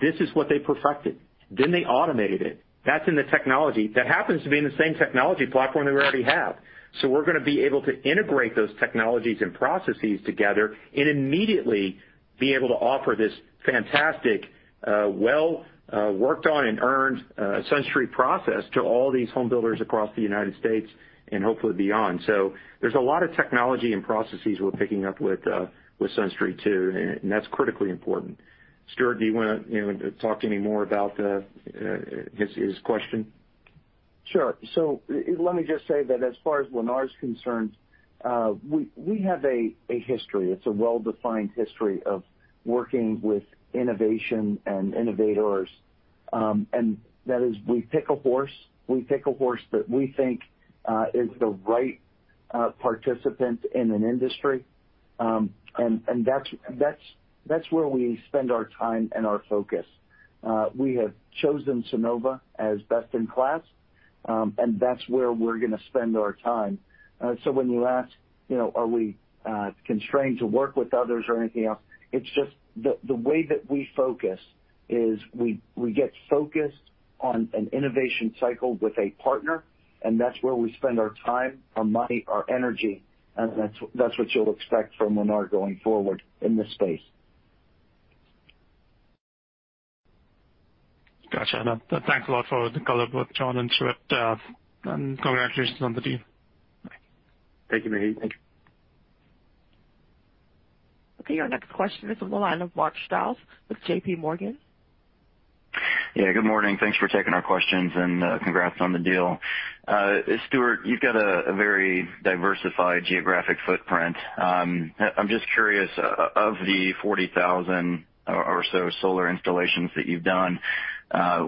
This is what they perfected. They automated it. That's in the technology that happens to be in the same technology platform they already have. We're going to be able to integrate those technologies and processes together and immediately be able to offer this fantastic, well worked on and earned SunStreet process to all these home builders across the United States and hopefully beyond. There's a lot of technology and processes we're picking up with SunStreet, too, and that's critically important. Stuart, do you want to talk any more about his question? Sure. Let me just say that as far as Lennar is concerned, we have a history. It's a well-defined history of working with innovation and innovators. That is we pick a horse, we pick a horse that we think is the right participant in an industry and that's where we spend our time and our focus. We have chosen Sunnova as best in class and that's where we're going to spend our time. When you ask are we constrained to work with others or anything else, it's just the way that we focus is we get focused on an innovation cycle with a partner, and that's where we spend our time, our money, our energy, and that's what you'll expect from Lennar going forward in this space. Got you. Thanks a lot for the color both John and Stuart and congratulations on the deal. Bye. Thank you, Maheep. Thank you. Okay, your next question is on the line of Mark Strouse with JPMorgan. Yeah, good morning? Thanks for taking our questions and congrats on the deal. Stuart, you've got a very diversified geographic footprint. I'm just curious, of the 40,000 or so solar installations that you've done,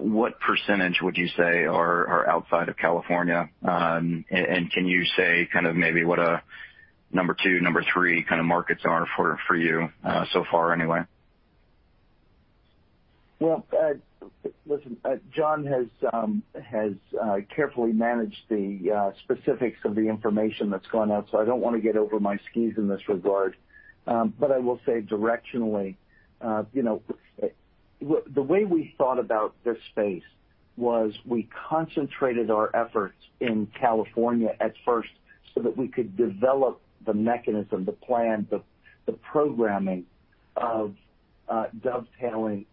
what percentage would you say are outside of California? Can you say kind of maybe what a number two, number three kind of markets are for you so far anyway? Well, listen, John has carefully managed the specifics of the information that's gone out, so I don't want to get over my skis in this regard. I will say directionally the way we thought about this space was we concentrated our efforts in California at first so that we could develop the mechanism, the plan, the programming of dovetailing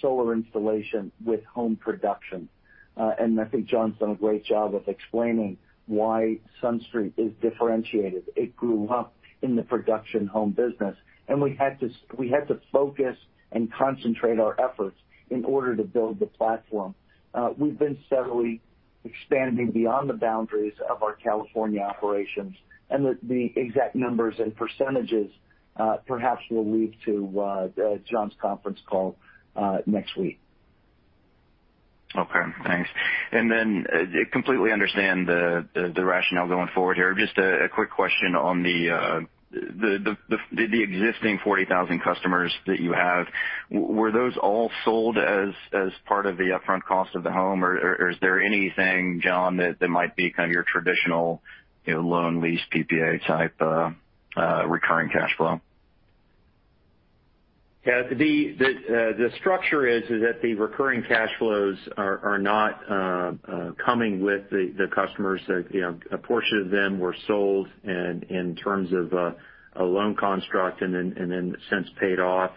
solar installation with home production. I think John's done a great job of explaining why SunStreet is differentiated. It grew up in the production home business, and we had to focus and concentrate our efforts in order to build the platform. We've been steadily expanding beyond the boundaries of our California operations, and the exact numbers and percentages perhaps will lead to John's conference call next week. Okay, thanks. Completely understand the rationale going forward here. Just a quick question on the existing 40,000 customers that you have. Were those all sold as part of the upfront cost of the home, or is there anything, John, that might be kind of your traditional loan lease PPA type recurring cash flow? Yeah. The structure is that the recurring cash flows are not coming with the customers. A portion of them were sold in terms of a loan construct and then since paid off.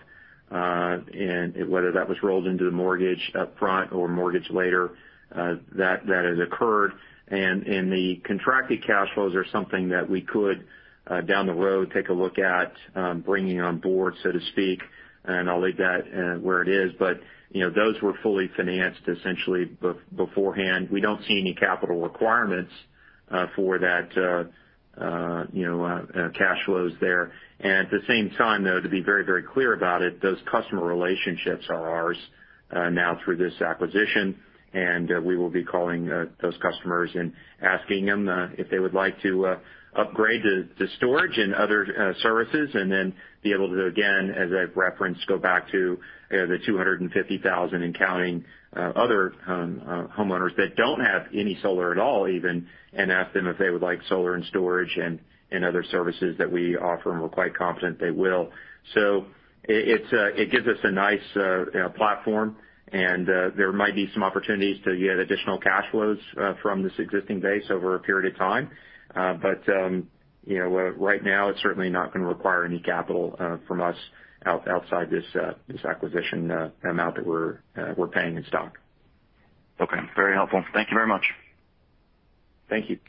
Whether that was rolled into the mortgage up front or mortgage later, that has occurred. The contracted cash flows are something that we could down the road take a look at bringing on board, so to speak, and I'll leave that where it is. Those were fully financed essentially beforehand. We don't see any capital requirements for that cash flows there. At the same time, though, to be very clear about it, those customer relationships are ours now through this acquisition. We will be calling those customers and asking them if they would like to upgrade to storage and other services and then be able to, again, as I've referenced, go back to the 250,000 and counting other homeowners that don't have any solar at all even and ask them if they would like solar and storage and other services that we offer and we're quite confident they will. It gives us a nice platform and there might be some opportunities to get additional cash flows from this existing base over a period of time. Right now it's certainly not going to require any capital from us outside this acquisition amount that we're paying in stock. Okay. Very helpful. Thank you very much. Thank you.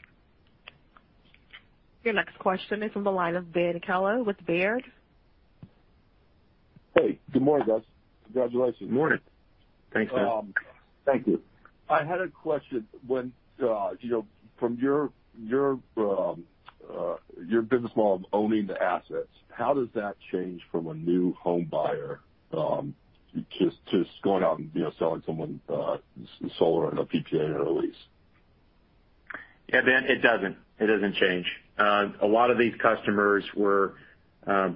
Your next question is on the line of Ben Kallo with Baird. Hey, good morning, guys? Congratulations. Morning. Thanks, Ben. Thank you. I had a question. From your business model of owning the assets, how does that change from a new home buyer just going out and selling someone solar in a PPA or a lease? Yeah, Ben, it doesn't change. A lot of these customers were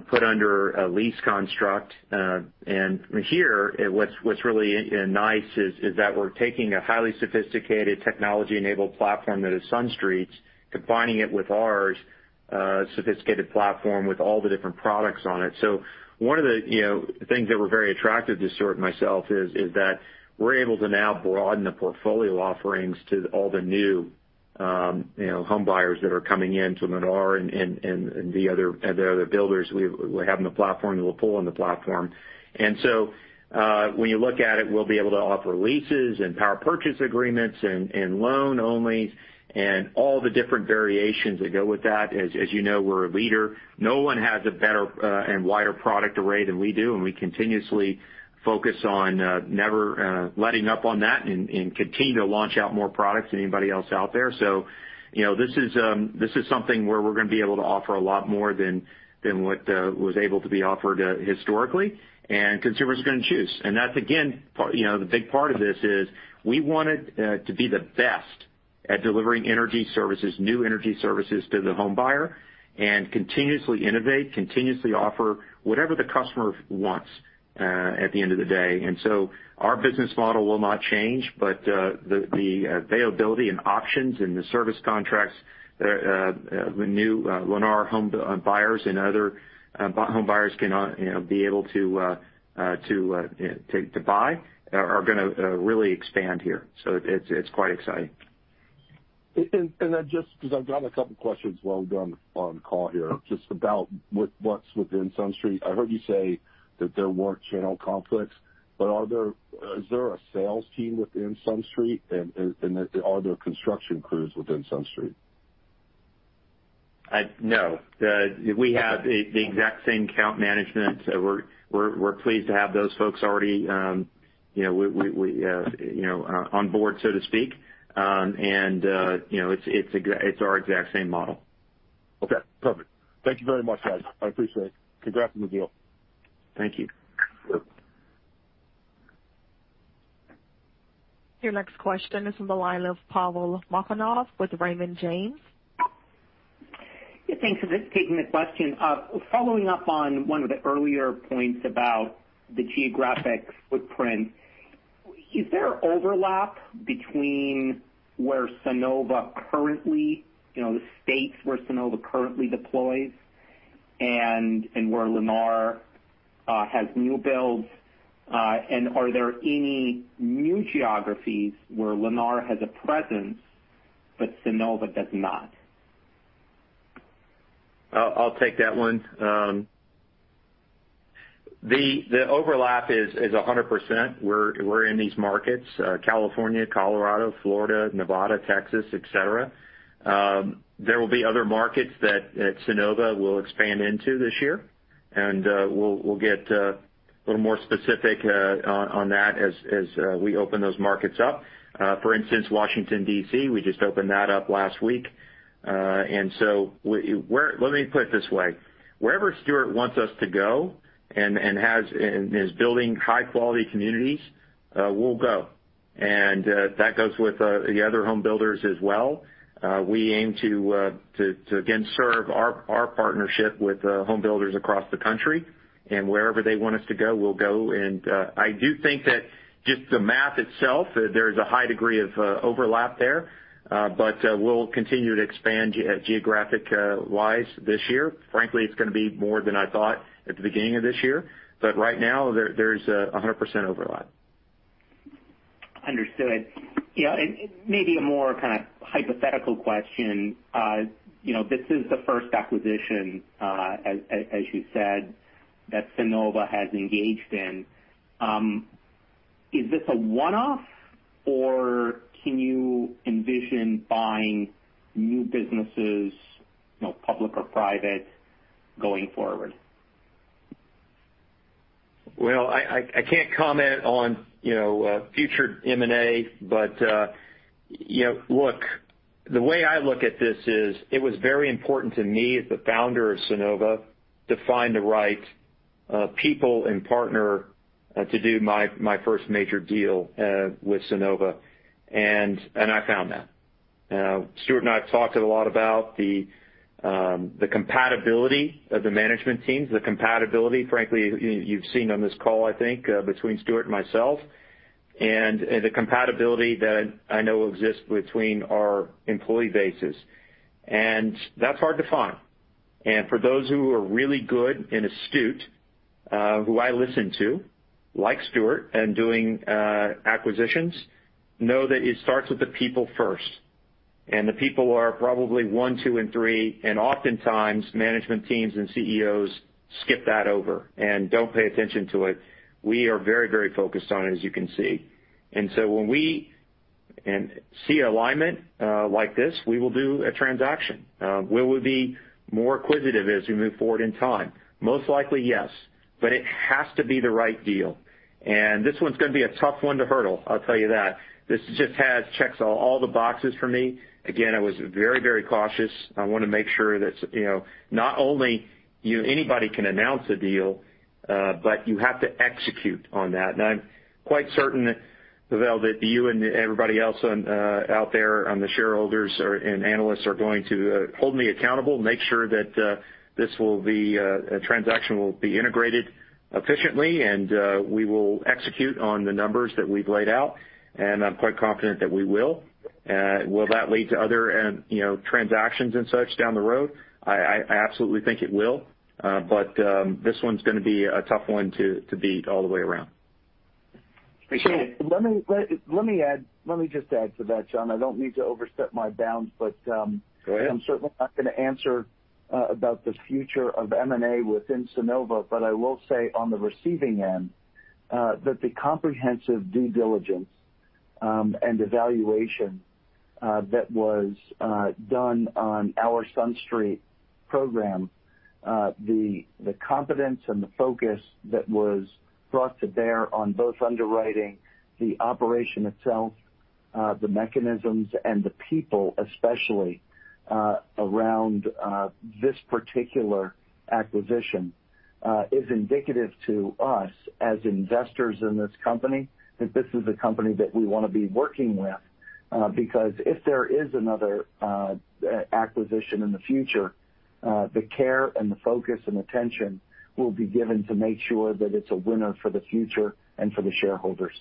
put under a lease construct. Here, what's really nice is that we're taking a highly sophisticated technology-enabled platform that is SunStreet's, combining it with our sophisticated platform with all the different products on it. One of the things that were very attractive to Stuart and myself is that we're able to now broaden the portfolio offerings to all the new home buyers that are coming in to Lennar and the other builders. We have the platform, the pull in the platform. When you look at it, we'll be able to offer leases and power purchase agreements and loan-onlys and all the different variations that go with that. As you know, we're a leader. No one has a better and wider product array than we do, we continuously focus on never letting up on that and continue to launch out more products than anybody else out there. This is something where we're going to be able to offer a lot more than what was able to be offered historically, consumers are going to choose. That's again, the big part of this is we wanted to be the best at delivering energy services, new energy services to the home buyer and continuously innovate, continuously offer whatever the customer wants at the end of the day. Our business model will not change, but the availability and options and the service contracts the new Lennar home buyers and other home buyers be able to buy are going to really expand here. It's quite exciting. Just because I've got a couple questions while we're on the call here, just about what's within SunStreet. I heard you say that there weren't channel conflicts, but is there a sales team within SunStreet, and are there construction crews within SunStreet? No. We have the exact same account management. We're pleased to have those folks already on board, so to speak. It's our exact same model. Okay, perfect. Thank you very much, guys. I appreciate it. Congrats on the deal. Thank you. Your next question is from the line of Pavel Molchanov with Raymond James. Yeah, thanks. This is Peyton with questions. Following up on one of the earlier points about the geographic footprint, is there overlap between where Sunnova currently, the states where Sunnova currently deploys and where Lennar has new builds? Are there any new geographies where Lennar has a presence but Sunnova does not? I'll take that one. The overlap is 100%. We're in these markets: California, Colorado, Florida, Nevada, Texas, et cetera. There will be other markets that Sunnova will expand into this year, and we'll get a little more specific on that as we open those markets up. For instance, Washington, D.C., we just opened that up last week. So let me put it this way, wherever Stuart wants us to go and is building high-quality communities, we'll go. That goes with the other home builders as well. We aim to again serve our partnership with home builders across the country, and wherever they want us to go, we'll go. I do think that just the math itself, there's a high degree of overlap there. We'll continue to expand geographic-wise this year. Frankly, it's going to be more than I thought at the beginning of this year. Right now, there's 100% overlap. Understood. Yeah, maybe a more kind of hypothetical question. This is the first acquisition, as you said, that Sunnova has engaged in. Is this a one-off, or can you envision buying new businesses, public or private, going forward? Well, I can't comment on future M&A. Look, the way I look at this is it was very important to me as the founder of Sunnova to find the right people and partner to do my first major deal with Sunnova, and I found that. Stuart and I have talked a lot about the compatibility of the management teams, the compatibility, frankly, you've seen on this call, I think, between Stuart and myself and the compatibility that I know exists between our employee bases. That's hard to find. For those who are really good and astute, who I listen to, like Stuart, and doing acquisitions, know that it starts with the people first, and the people are probably one, two, and three, and oftentimes management teams and Chief Executive Officers skip that over and don't pay attention to it. We are very focused on it, as you can see. When we see alignment like this, we will do a transaction. Will we be more acquisitive as we move forward in time? Most likely, yes. It has to be the right deal. This one's going to be a tough one to hurdle, I'll tell you that. This just checks all the boxes for me. Again, I was very cautious. I want to make sure that not only anybody can announce a deal, but you have to execute on that. I'm quite certain, Peyton, that you and everybody else out there on the shareholders and analysts are going to hold me accountable, make sure that the transaction will be integrated efficiently, and we will execute on the numbers that we've laid out. I'm quite confident that we will. Will that lead to other transactions and such down the road? I absolutely think it will. This one's going to be a tough one to beat all the way around. Appreciate it. Let me just add to that, John. I don't mean to overstep my bounds. Go ahead. I'm certainly not going to answer about the future of M&A within Sunnova, but I will say on the receiving end, that the comprehensive due diligence and evaluation that was done on our SunStreet program, the competence and the focus that was brought to bear on both underwriting the operation itself, the mechanisms, and the people, especially around this particular acquisition is indicative to us as investors in this company that this is a company that we want to be working with. Because if there is another acquisition in the future, the care and the focus and attention will be given to make sure that it's a winner for the future and for the shareholders.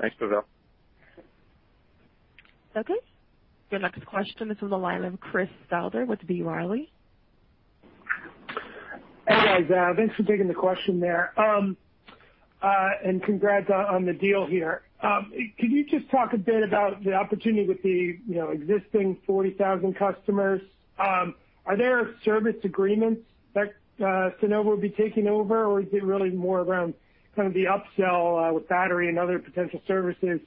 Thanks, Peyton. Okay. Your next question is on the line of Chris Souther with B. Riley. Hey guys? Thanks for taking the question there. Congrats on the deal here. Can you just talk a bit about the opportunity with the existing 40,000 customers? Are there service agreements that Sunnova will be taking over, or is it really more around the upsell with battery and other potential services?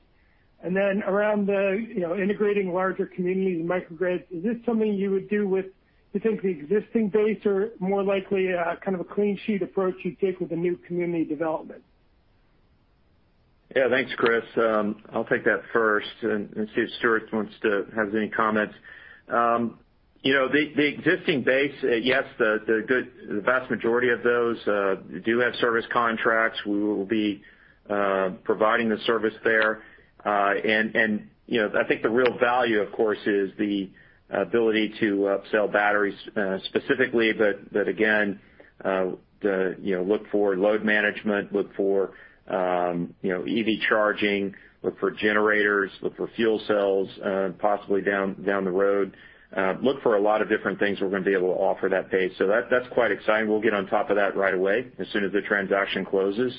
Around the integrating larger communities and microgrids, is this something you would do with, you think the existing base or more likely a clean sheet approach you'd take with a new community development? Yeah. Thanks, Chris. I'll take that first and see if Stuart has any comments. The existing base, yes, the vast majority of those do have service contracts. We will be providing the service there. I think the real value, of course, is the ability to upsell batteries specifically, but again look for load management, look for EV charging, look for generators, look for fuel cells possibly down the road. Look for a lot of different things we're going to be able to offer that base. That's quite exciting. We'll get on top of that right away as soon as the transaction closes,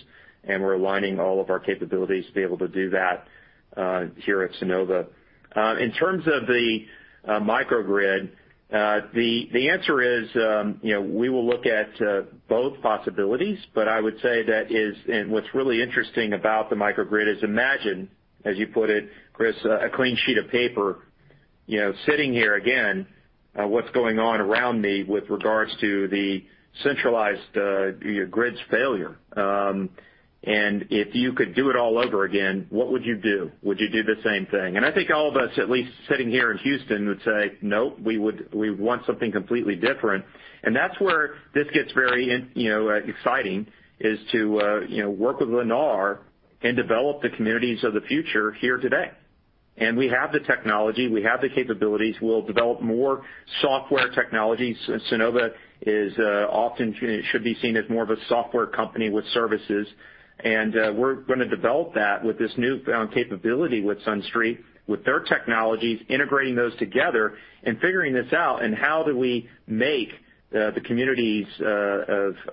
and we're aligning all of our capabilities to be able to do that here at Sunnova. In terms of the microgrid, the answer is, we will look at both possibilities, but I would say that what's really interesting about the microgrid is imagine, as you put it, Chris, a clean sheet of paper, sitting here again, what's going on around me with regards to the centralized grid's failure. If you could do it all over again, what would you do? Would you do the same thing? I think all of us, at least sitting here in Houston, would say, no, we want something completely different. That's where this gets very exciting is to work with Lennar and develop the communities of the future here today. We have the technology, we have the capabilities. We'll develop more software technologies. Sunnova often should be seen as more of a software company with services. We're going to develop that with this newfound capability with SunStreet, with their technologies, integrating those together and figuring this out, and how do we make the communities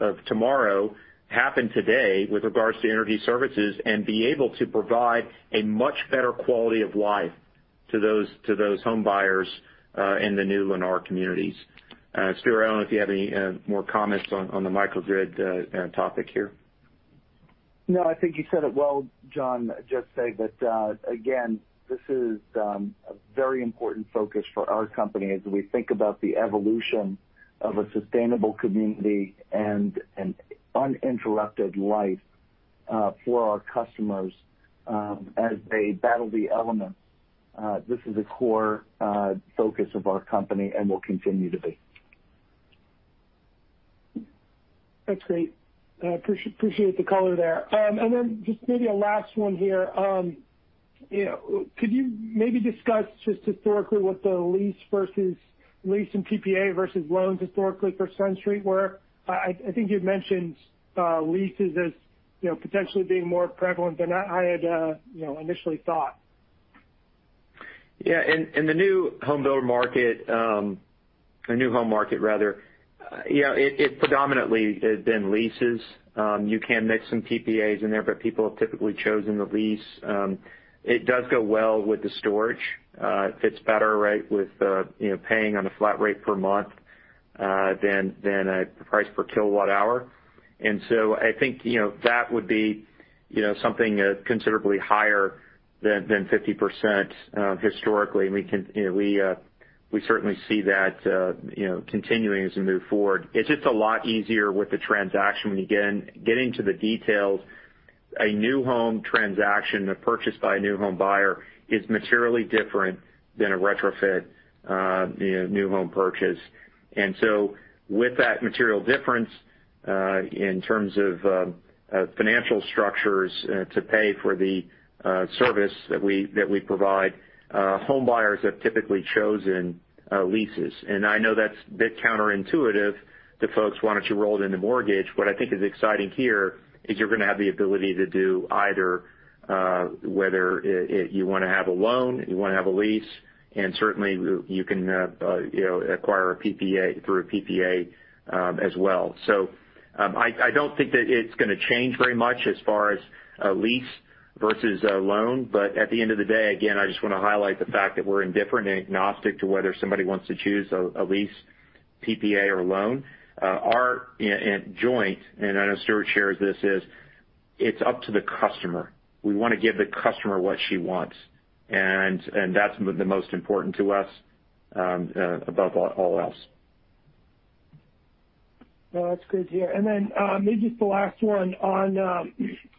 of tomorrow happen today with regards to energy services and be able to provide a much better quality of life to those home buyers in the new Lennar communities. Stuart, I don't know if you have any more comments on the microgrid topic here. No, I think you said it well, John. Just say that, again, this is a very important focus for our company as we think about the evolution of a sustainable community and an uninterrupted life for our customers as they battle the elements. This is a core focus of our company and will continue to be. That's great. Appreciate the color there. Just maybe a last one here. Could you maybe discuss just historically what the lease and PPA versus loans historically for SunStreet were? I think you'd mentioned leases as potentially being more prevalent than I had initially thought. Yeah. In the new homebuilder market, or new home market rather, it predominantly has been leases. People have typically chosen the lease. It does go well with the storage. It fits better with paying on a flat rate per month than a price per kilowatt hour. I think that would be something considerably higher than 50% historically. We certainly see that continuing as we move forward. It is just a lot easier with the transaction when you get into the details. A new home transaction, a purchase by a new home buyer is materially different than a retrofit new home purchase. With that material difference, in terms of financial structures to pay for the service that we provide, home buyers have typically chosen leases. I know that's a bit counterintuitive that folks, why don't you roll it in the mortgage? What I think is exciting here is you're going to have the ability to do either, whether you want to have a loan, you want to have a lease, and certainly you can acquire through a PPA as well. I don't think that it's going to change very much as far as a lease versus a loan. At the end of the day, again, I just want to highlight the fact that we're indifferent and agnostic to whether somebody wants to choose a lease, PPA or loan. Our joint, and I know Stuart shares this is, it's up to the customer. We want to give the customer what she wants, and that's the most important to us above all else. No, that's good to hear. Maybe just the last one. On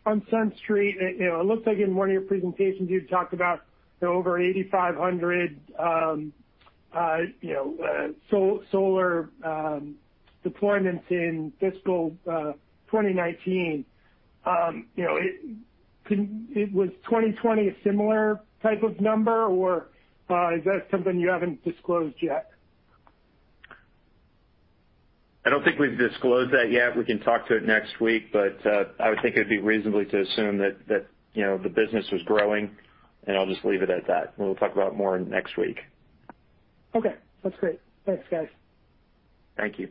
SunStreet, it looks like in one of your presentations you had talked about over 8,500 solar deployments in fiscal 2019. Was 2020 a similar type of number, or is that something you haven't disclosed yet? I don't think we've disclosed that yet. We can talk to it next week, but I would think it would be reasonable to assume that the business was growing, and I'll just leave it at that, and we'll talk about it more next week. Okay, that's great. Thanks, guys. Thank you.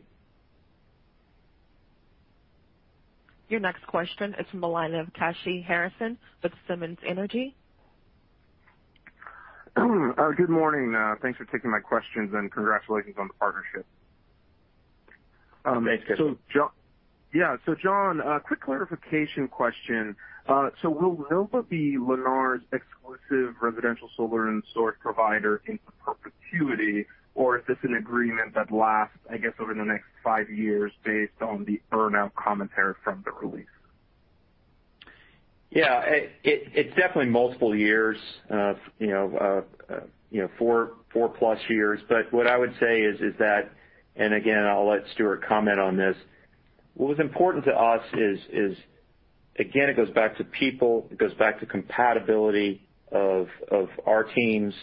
Your next question is from the line of Kashy Harrison with Simmons Energy. Good morning? Thanks for taking my questions and congratulations on the partnership. Thanks. Yeah. John, a quick clarification question. Will Sunnova be Lennar's exclusive residential solar and storage provider in perpetuity, or is this an agreement that lasts, I guess, over the next five years based on the earn-out commentary from the release? Yeah. It's definitely multiple years, four-plus years. What I would say is that, again, I'll let Stuart comment on this, what was important to us is again, it goes back to people, it goes back to compatibility of our teams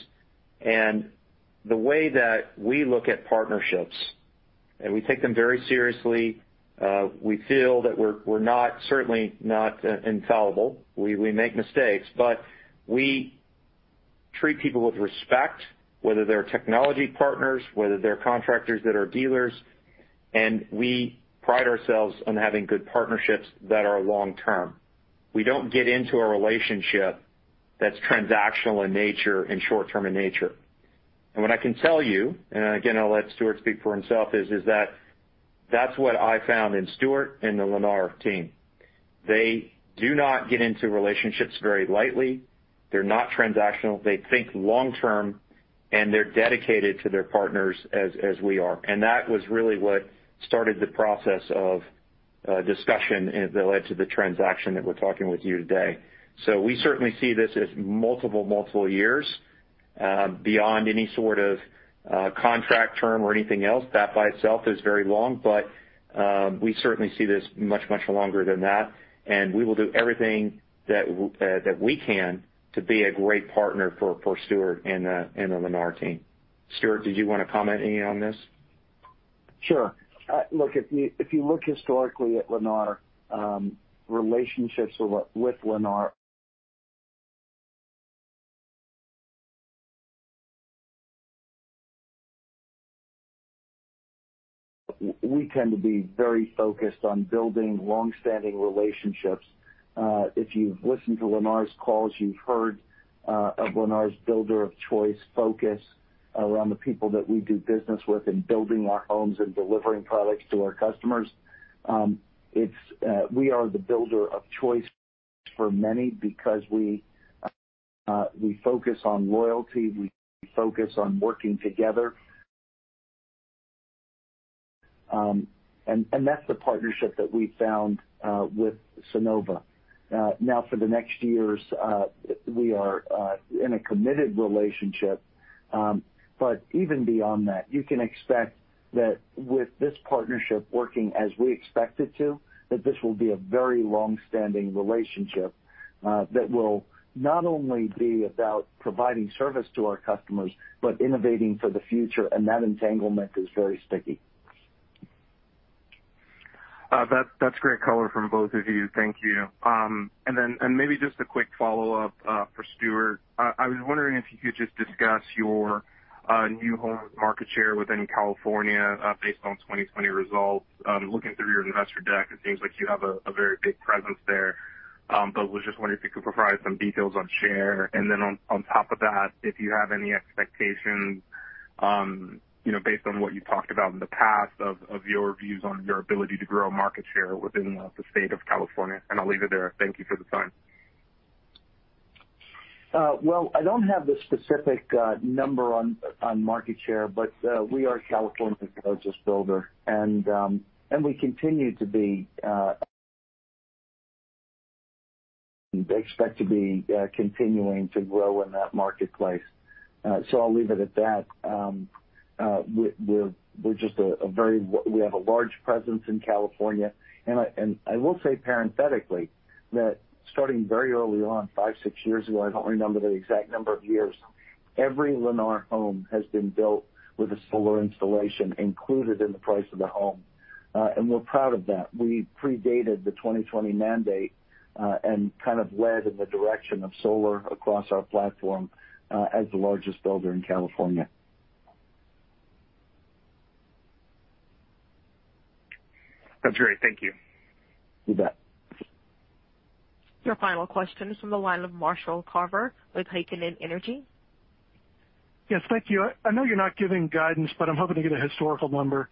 and the way that we look at partnerships, and we take them very seriously. We feel that we're certainly not infallible. We make mistakes, but we treat people with respect, whether they're technology partners, whether they're contractors that are dealers, and we pride ourselves on having good partnerships that are long-term. We don't get into a relationship that's transactional in nature and short-term in nature. What I can tell you, and again, I'll let Stuart speak for himself, is that that's what I found in Stuart and the Lennar team. They do not get into relationships very lightly. They're not transactional. They think long-term, and they're dedicated to their partners as we are. That was really what started the process of discussion that led to the transaction that we're talking with you today. We certainly see this as multiple years, beyond any sort of contract term or anything else. That by itself is very long, but we certainly see this much longer than that, and we will do everything that we can to be a great partner for Stuart and the Lennar team. Stuart, did you want to comment any on this? Sure. Look, if you look historically at Lennar, relationships with Lennar, we tend to be very focused on building long-standing relationships. If you've listened to Lennar's calls, you've heard of Lennar's builder of choice focus around the people that we do business with in building our homes and delivering products to our customers. We are the builder of choice for many because we focus on loyalty, we focus on working together. That's the partnership that we found with Sunnova. For the next years, we are in a committed relationship Even beyond that, you can expect that with this partnership working as we expect it to, that this will be a very longstanding relationship that will not only be about providing service to our customers, but innovating for the future. That entanglement is very sticky. That's great color from both of you. Thank you. Then maybe just a quick follow-up for Stuart. I was wondering if you could just discuss your new home market share within California based on 2020 results. Looking through your investor deck, it seems like you have a very big presence there. Was just wondering if you could provide some details on share and then on top of that, if you have any expectations, based on what you talked about in the past, of your views on your ability to grow market share within the state of California, and I'll leave it there. Thank you for the time. I don't have the specific number on market share, we are California's largest builder, we expect to be continuing to grow in that marketplace. I'll leave it at that. We have a large presence in California, I will say parenthetically that starting very early on, five, six years ago, I don't remember the exact number of years, every Lennar home has been built with a solar installation included in the price of the home. We're proud of that. We predated the 2020 mandate, kind of led in the direction of solar across our platform, as the largest builder in California. That's great. Thank you. You bet. Your final question is from the line of Marshall Carver with Heikkinen Energy. Yes, thank you. I know you're not giving guidance, but I'm hoping to get a historical number.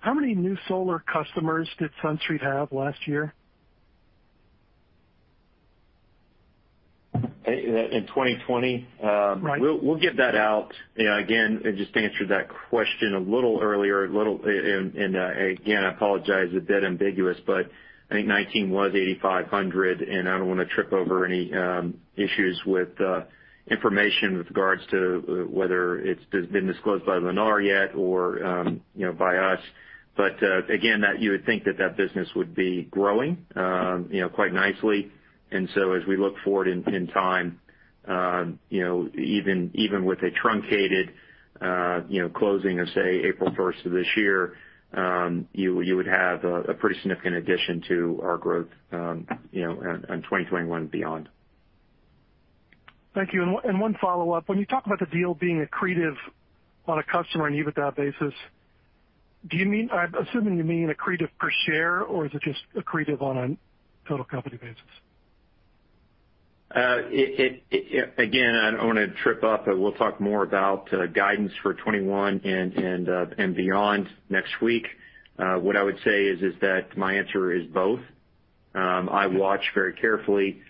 How many new solar customers did SunStreet have last year? In 2020? Right. We'll get that out. I just answered that question a little earlier, I apologize, a bit ambiguous, I think 2019 was 8,500 customers, and I don't want to trip over any issues with information with regards to whether it's been disclosed by Lennar yet or by us. You would think that business would be growing quite nicely. As we look forward in time even with a truncated closing of, say, April 1 of this year, you would have a pretty significant addition to our growth in 2021 and beyond. Thank you. One follow-up. When you talk about the deal being accretive on a customer and EBITDA basis, I'm assuming you mean accretive per share, or is it just accretive on a total company basis? Again, I don't want to trip up. We'll talk more about guidance for 2021 and beyond next week. What I would say is that my answer is both. I watch very carefully,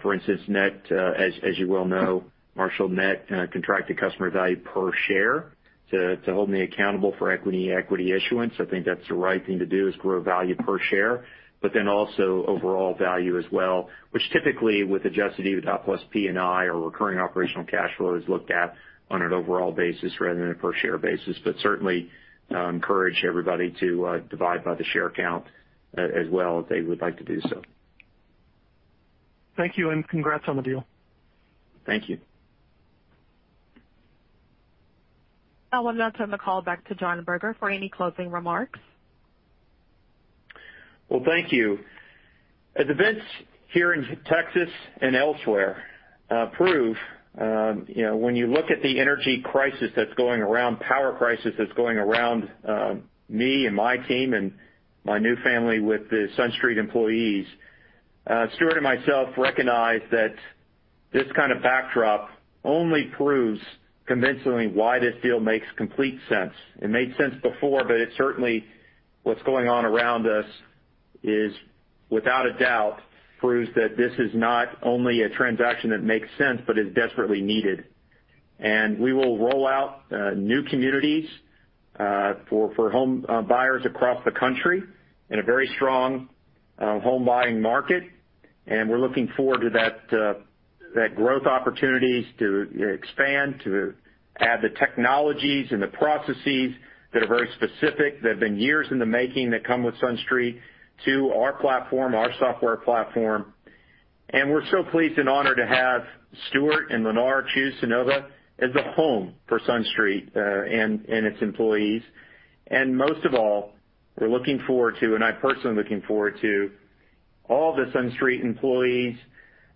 for instance, net, as you well know, Marshall, net contracted customer value per share to hold me accountable for equity issuance. I think that's the right thing to do is grow value per share, but then also overall value as well, which typically with adjusted EBITDA plus P&I or recurring operational cash flow is looked at on an overall basis rather than a per share basis, but certainly encourage everybody to divide by the share count as well if they would like to do so. Thank you, and congrats on the deal. Thank you. I would now turn the call back to John Berger for any closing remarks. Well, thank you. As events here in Texas and elsewhere prove when you look at the energy crisis that's going around, power crisis that's going around me and my team and my new family with the SunStreet employees, Stuart and myself recognize that this kind of backdrop only proves convincingly why this deal makes complete sense. It made sense before, but it certainly, what's going on around us without a doubt proves that this is not only a transaction that makes sense but is desperately needed. We will roll out new communities for home buyers across the country in a very strong home buying market. We're looking forward to that growth opportunities to expand, to add the technologies and the processes that are very specific, that have been years in the making that come with SunStreet to our platform, our software platform. We're so pleased and honored to have Stuart and Lennar choose Sunnova as a home for SunStreet, and its employees. Most of all, we're looking forward to, and I'm personally looking forward to all the SunStreet employees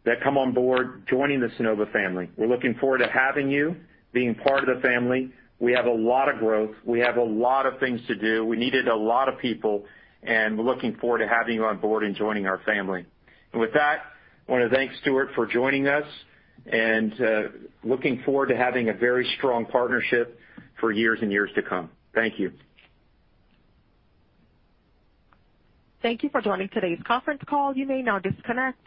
that come on board joining the Sunnova family. We're looking forward to having you being part of the family. We have a lot of growth. We have a lot of things to do. We needed a lot of people, and we're looking forward to having you on board and joining our family. With that, I want to thank Stuart for joining us and looking forward to having a very strong partnership for years and years to come. Thank you. Thank you for joining today's conference call, you may now disconnect.